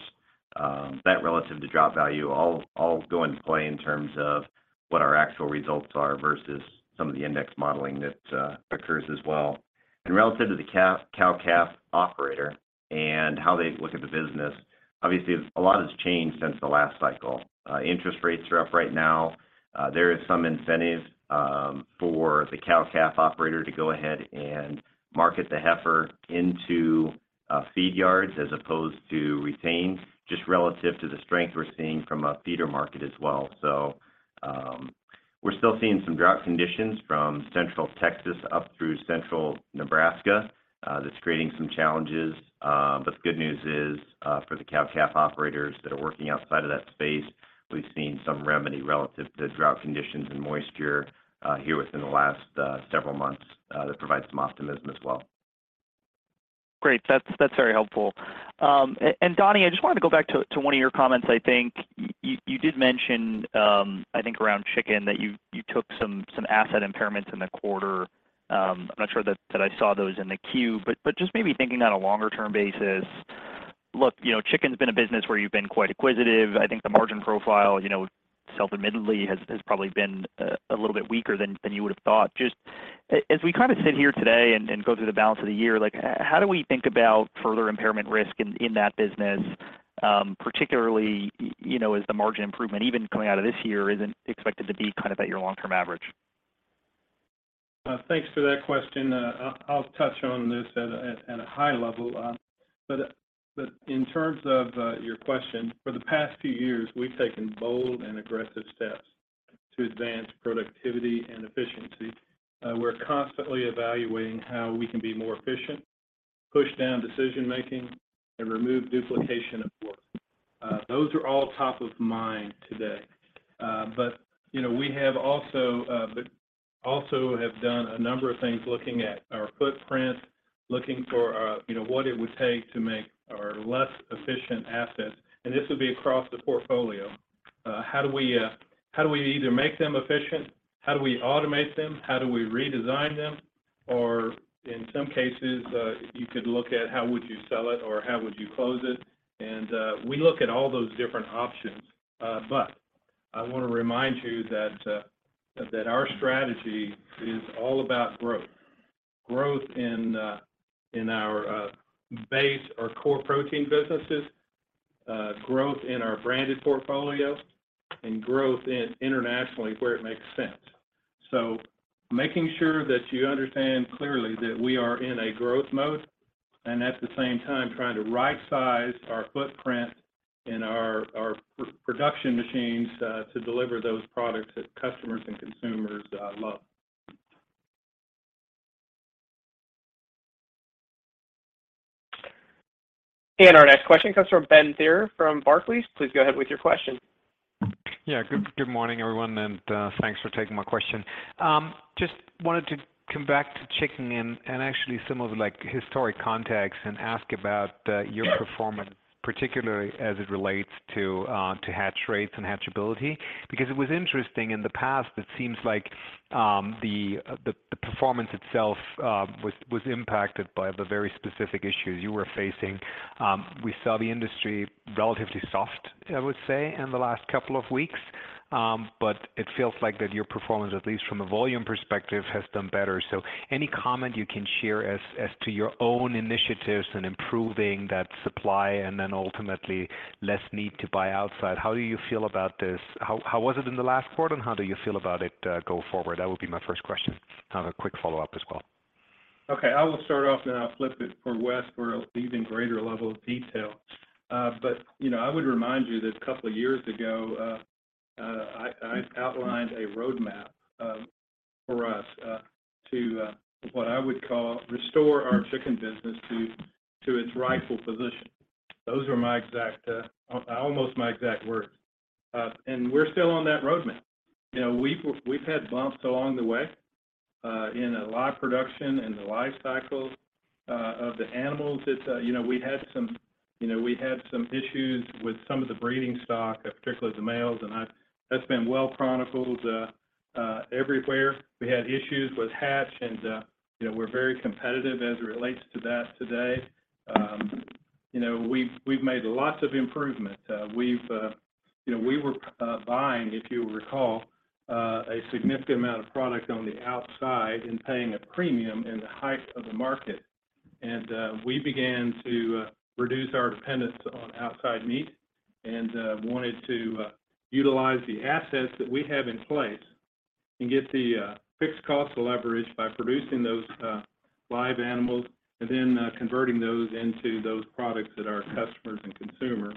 That relative to drop value all go into play in terms of what our actual results are versus some of the index modeling that occurs as well. Relative to the calf, cow-calf operator and how they look at the business, obviously a lot has changed since the last cycle. Interest rates are up right now. There is some incentive for the cow-calf operator to go ahead and market the heifer into feed yards as opposed to retain, just relative to the strength we're seeing from a feeder market as well. We're still seeing some drought conditions from Central Texas up through Central Nebraska, that's creating some challenges. The good news is, for the cow-calf operators that are working outside of that space, we've seen some remedy relative to drought conditions and moisture, here within the last several months, that provide some optimism as well. Great. That's very helpful. Donnie, I just wanted to go back to one of your comments. I think you did mention, I think around chicken that you took some asset impairments in the quarter. I'm not sure that I saw those in the queue, but just maybe thinking on a longer term basis, look, you know, chicken's been a business where you've been quite acquisitive. I think the margin profile, you know, self-admittedly has probably been a little bit weaker than you would've thought. Just as we kind of sit here today and go through the balance of the year, like how do we think about further impairment risk in that business, particularly, you know, as the margin improvement even coming out of this year isn't expected to be kind of at your long-term average? Thanks for that question. I'll touch on this at a high level. But in terms of your question, for the past few years, we've taken bold and aggressive steps to advance productivity and efficiency. We're constantly evaluating how we can be more efficient, push down decision-making, and remove duplication of work. Those are all top of mind today. You know, we have also done a number of things looking at our footprint, looking for, you know, what it would take to make our less efficient assets, and this would be across the portfolio. How do we either make them efficient? How do we automate them? How do we redesign them? In some cases, you could look at how would you sell it or how would you close it? We look at all those different options. I wanna remind you that our strategy is all about growth. Growth in in our base or core protein businesses, growth in our branded portfolio, and growth in internationally where it makes sense. Making sure that you understand clearly that we are in a growth mode, and at the same time trying to right size our footprint and our production machines to deliver those products that customers and consumers love. Our next question comes from Benjamin Theurer from Barclays. Please go ahead with your question. Good morning, everyone, and thanks for taking my question. Just wanted to come back to chicken and actually some of like historic context and ask about your performance, particularly as it relates to hatch rates and hatchability. It was interesting in the past, it seems like the performance itself was impacted by the very specific issues you were facing. We saw the industry relatively soft, I would say, in the last couple of weeks. It feels like that your performance, at least from a volume perspective, has done better. Any comment you can share as to your own initiatives in improving that supply and then ultimately less need to buy outside? How do you feel about this? How was it in the last quarter, and how do you feel about it, go forward? That would be my first question. I have a quick follow-up as well. Okay. I will start off, then I'll flip it for Wes for an even greater level of detail. You know, I would remind you that a couple of years ago, I outlined a roadmap for us to what I would call restore our chicken business to its rightful position. Those were my exact, almost my exact words. We're still on that roadmap. You know, we've had bumps along the way in the live production and the life cycle of the animals. It's, you know, we had some, you know, we had some issues with some of the breeding stock, particularly the males, and that's been well chronicled everywhere. We had issues with hatch and, you know, we're very competitive as it relates to that today. you know, we've made lots of improvement. We've, you know, we were buying, if you'll recall, a significant amount of product on the outside and paying a premium in the height of the market. We began to reduce our dependence on outside meat wanted to utilize the assets that we have in place and get the fixed cost leverage by producing those live animals then converting those into those products that our customers and consumers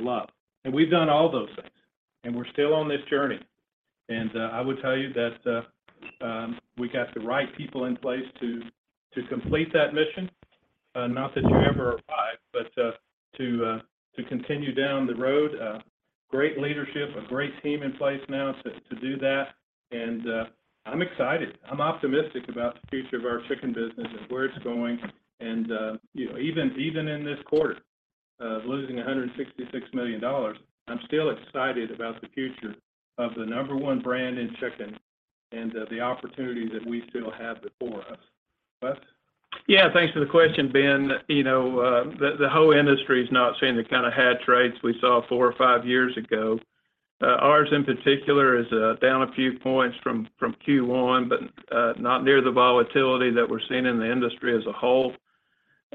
love. We've done all those things, and we're still on this journey. I would tell you that we got the right people in place to complete that mission. Not that you ever arrive, but to continue down the road, great leadership, a great team in place now to do that. I'm excited. I'm optimistic about the future of our chicken business and where it's going. You know, even in this quarter of losing $166 million, I'm still excited about the future of the number one brand in chicken and the opportunity that we still have before us. Wes? Yeah, thanks for the question, Ben. You know, the whole industry is not seeing the kind of hatch rates we saw four or five years ago. Ours in particular is down a few points from Q1, but not near the volatility that we're seeing in the industry as a whole.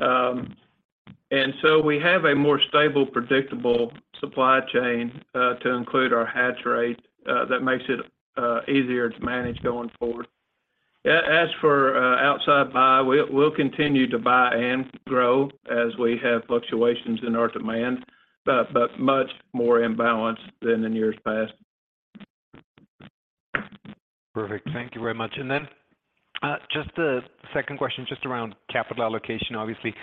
We have a more stable, predictable supply chain, to include our hatch rate, that makes it easier to manage going forward. Yeah, as for, outside buy, we'll continue to buy and grow as we have fluctuations in our demand, but much more in balance than in years past. Perfect. Thank you very much. Just a second question just around capital allocation. Obviously,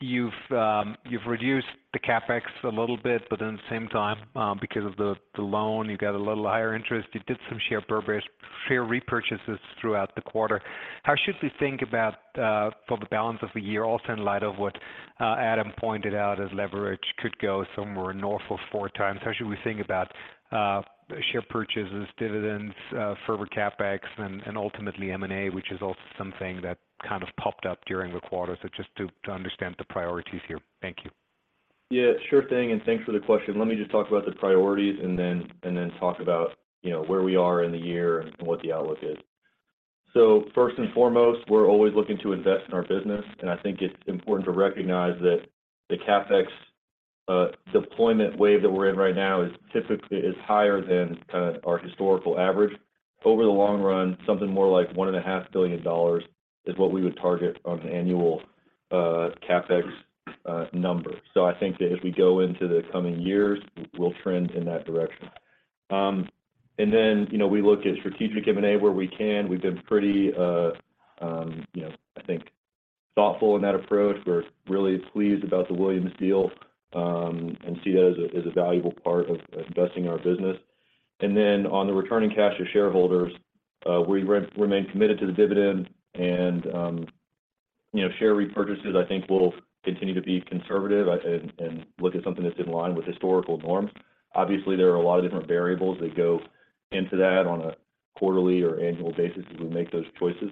you've reduced the CapEx a little bit. At the same time, because of the loan, you got a little higher interest. You did some share repurchases throughout the quarter. How should we think about for the balance of the year, also in light of what Adam pointed out as leverage could go somewhere north of 4 times? How should we think about share purchases, dividends, further CapEx and ultimately M&A, which is also something that kind of popped up during the quarter. Just to understand the priorities here. Thank you. Yeah, sure thing, and thanks for the question. Let me just talk about the priorities and then talk about, you know, where we are in the year and what the outlook is. First and foremost, we're always looking to invest in our business, and I think it's important to recognize that the CapEx deployment wave that we're in right now is typically higher than kind of our historical average. Over the long run, something more like one and a half billion dollars is what we would target on annual CapEx number. I think that if we go into the coming years, we'll trend in that direction. Then, you know, we look at strategic M&A where we can. We've been pretty, you know, I think thoughtful in that approach. We're really pleased about the Williams deal, and see that as a valuable part of investing in our business. On the returning cash to shareholders, we remain committed to the dividend and, you know, share repurchases, I think we'll continue to be conservative and look at something that's in line with historical norms. There are a lot of different variables that go into that on a quarterly or annual basis as we make those choices.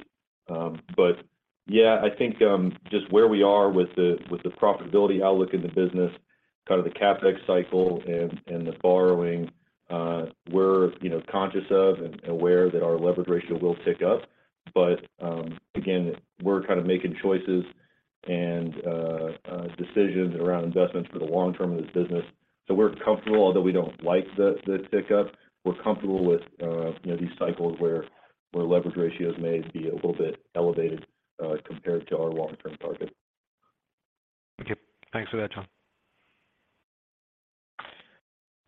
Yeah, I think, just where we are with the profitability outlook in the business, kind of the CapEx cycle and the borrowing, we're, you know, conscious of and aware that our leverage ratio will tick up. Again, we're kind of making choices and decisions around investments for the long term of this business. We're comfortable. Although we don't like the tick up, we're comfortable with, you know, these cycles where leverage ratios may be a little bit elevated, compared to our long-term target. Okay. Thanks for that, John.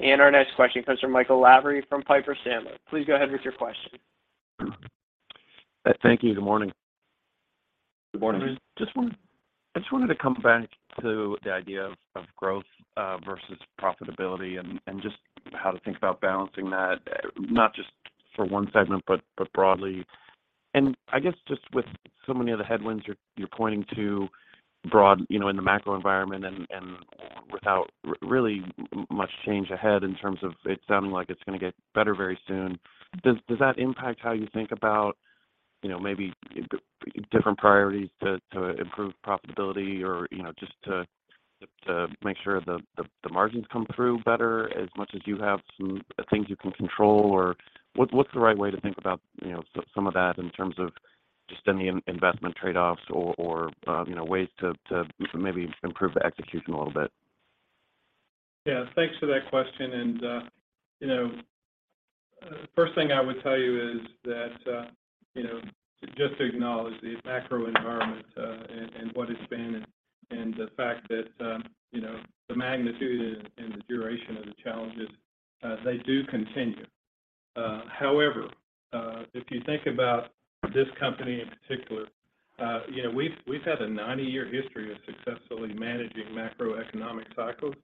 Our next question comes from Michael Lavery from Piper Sandler. Please go ahead with your question. Thank you. Good morning. Good morning. I just wanted to come back to the idea of growth versus profitability and just how to think about balancing that, not just for one segment, but broadly. I guess just with so many of the headwinds you're pointing to broad, you know, in the macro environment and without really much change ahead in terms of it sounding like it's gonna get better very soon. Does that impact how you think about, you know, maybe different priorities to improve profitability or, you know, just to make sure the margins come through better as much as you have some things you can control? What's the right way to think about, you know, some of that in terms of just any investment trade-offs or, you know, ways to maybe improve the execution a little bit? Yeah. Thanks for that question. You know, first thing I would tell you is that, you know, just to acknowledge the macro environment, and what it's been and the fact that, you know, the magnitude and the duration of the challenges, they do continue. However, if you think about this company in particular, you know, we've had a 90-year history of successfully managing macroeconomic cycles,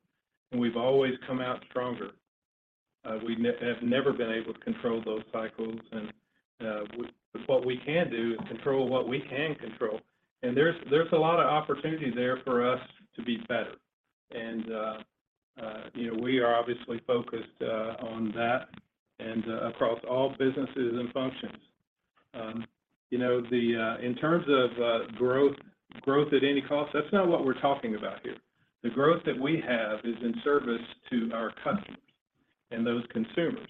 and we've always come out stronger. We have never been able to control those cycles, but what we can do is control what we can control. There's a lot of opportunity there for us to be better. You know, we are obviously focused on that and across all businesses and functions. You know, in terms of growth at any cost, that's not what we're talking about here. The growth that we have is in service to our customers and those consumers.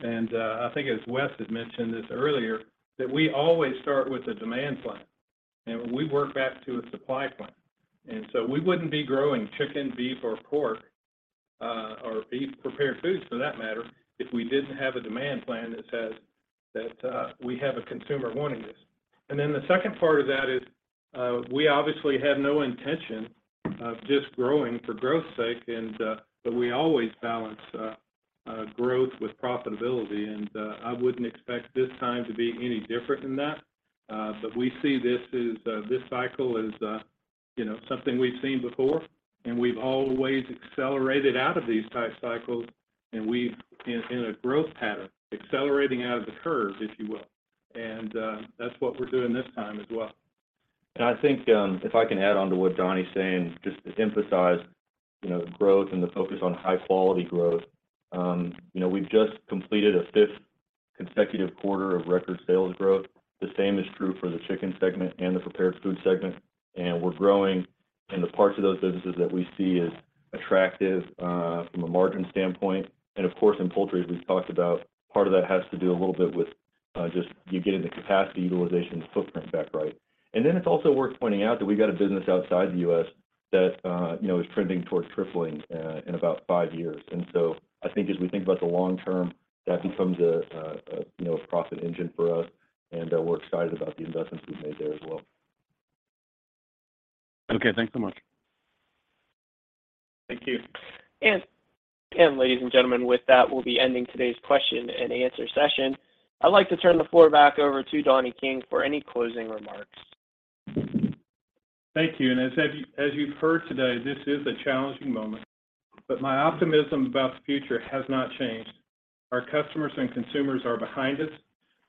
I think as Wes had mentioned this earlier, that we always start with a demand plan, and we work back to a supply plan. We wouldn't be growing chicken, beef or pork, or beef prepared foods for that matter, if we didn't have a demand plan that says that we have a consumer wanting this. The second part of that is, we obviously have no intention of just growing for growth's sake. We always balance growth with profitability. I wouldn't expect this time to be any different than that. We see this cycle as, you know, something we've seen before. We've always accelerated out of these type cycles. In a growth pattern, accelerating out of the curve, if you will. That's what we're doing this time as well. I think, if I can add on to what Donnie's saying, just to emphasize, you know, growth and the focus on high quality growth. You know, we've just completed a fifth consecutive quarter of record sales growth. The same is true for the chicken segment and the prepared food segment, and we're growing in the parts of those businesses that we see as attractive from a margin standpoint. Of course, in poultry, as we've talked about, part of that has to do a little bit with, just you getting the capacity utilization footprint back, right? Then it's also worth pointing out that we got a business outside the U.S. that, you know, is trending towards tripling in about five years. I think as we think about the long term, that becomes a, you know, a profit engine for us, and we're excited about the investments we've made there as well. Okay. Thanks so much. Thank you. Ladies and gentlemen, with that, we'll be ending today's question and answer session. I'd like to turn the floor back over to Donnie King for any closing remarks. Thank you. As you've heard today, this is a challenging moment, but my optimism about the future has not changed. Our customers and consumers are behind us.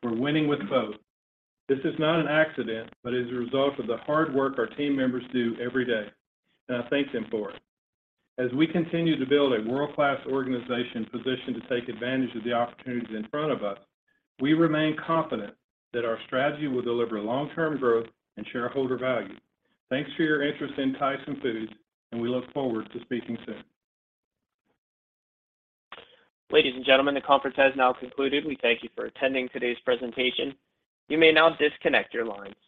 We're winning with both. This is not an accident, but is a result of the hard work our team members do every day, and I thank them for it. As we continue to build a world-class organization positioned to take advantage of the opportunities in front of us, we remain confident that our strategy will deliver long-term growth and shareholder value. Thanks for your interest in Tyson Foods, and we look forward to speaking soon. Ladies and gentlemen, the conference has now concluded. We thank you for attending today's presentation. You may now disconnect your lines.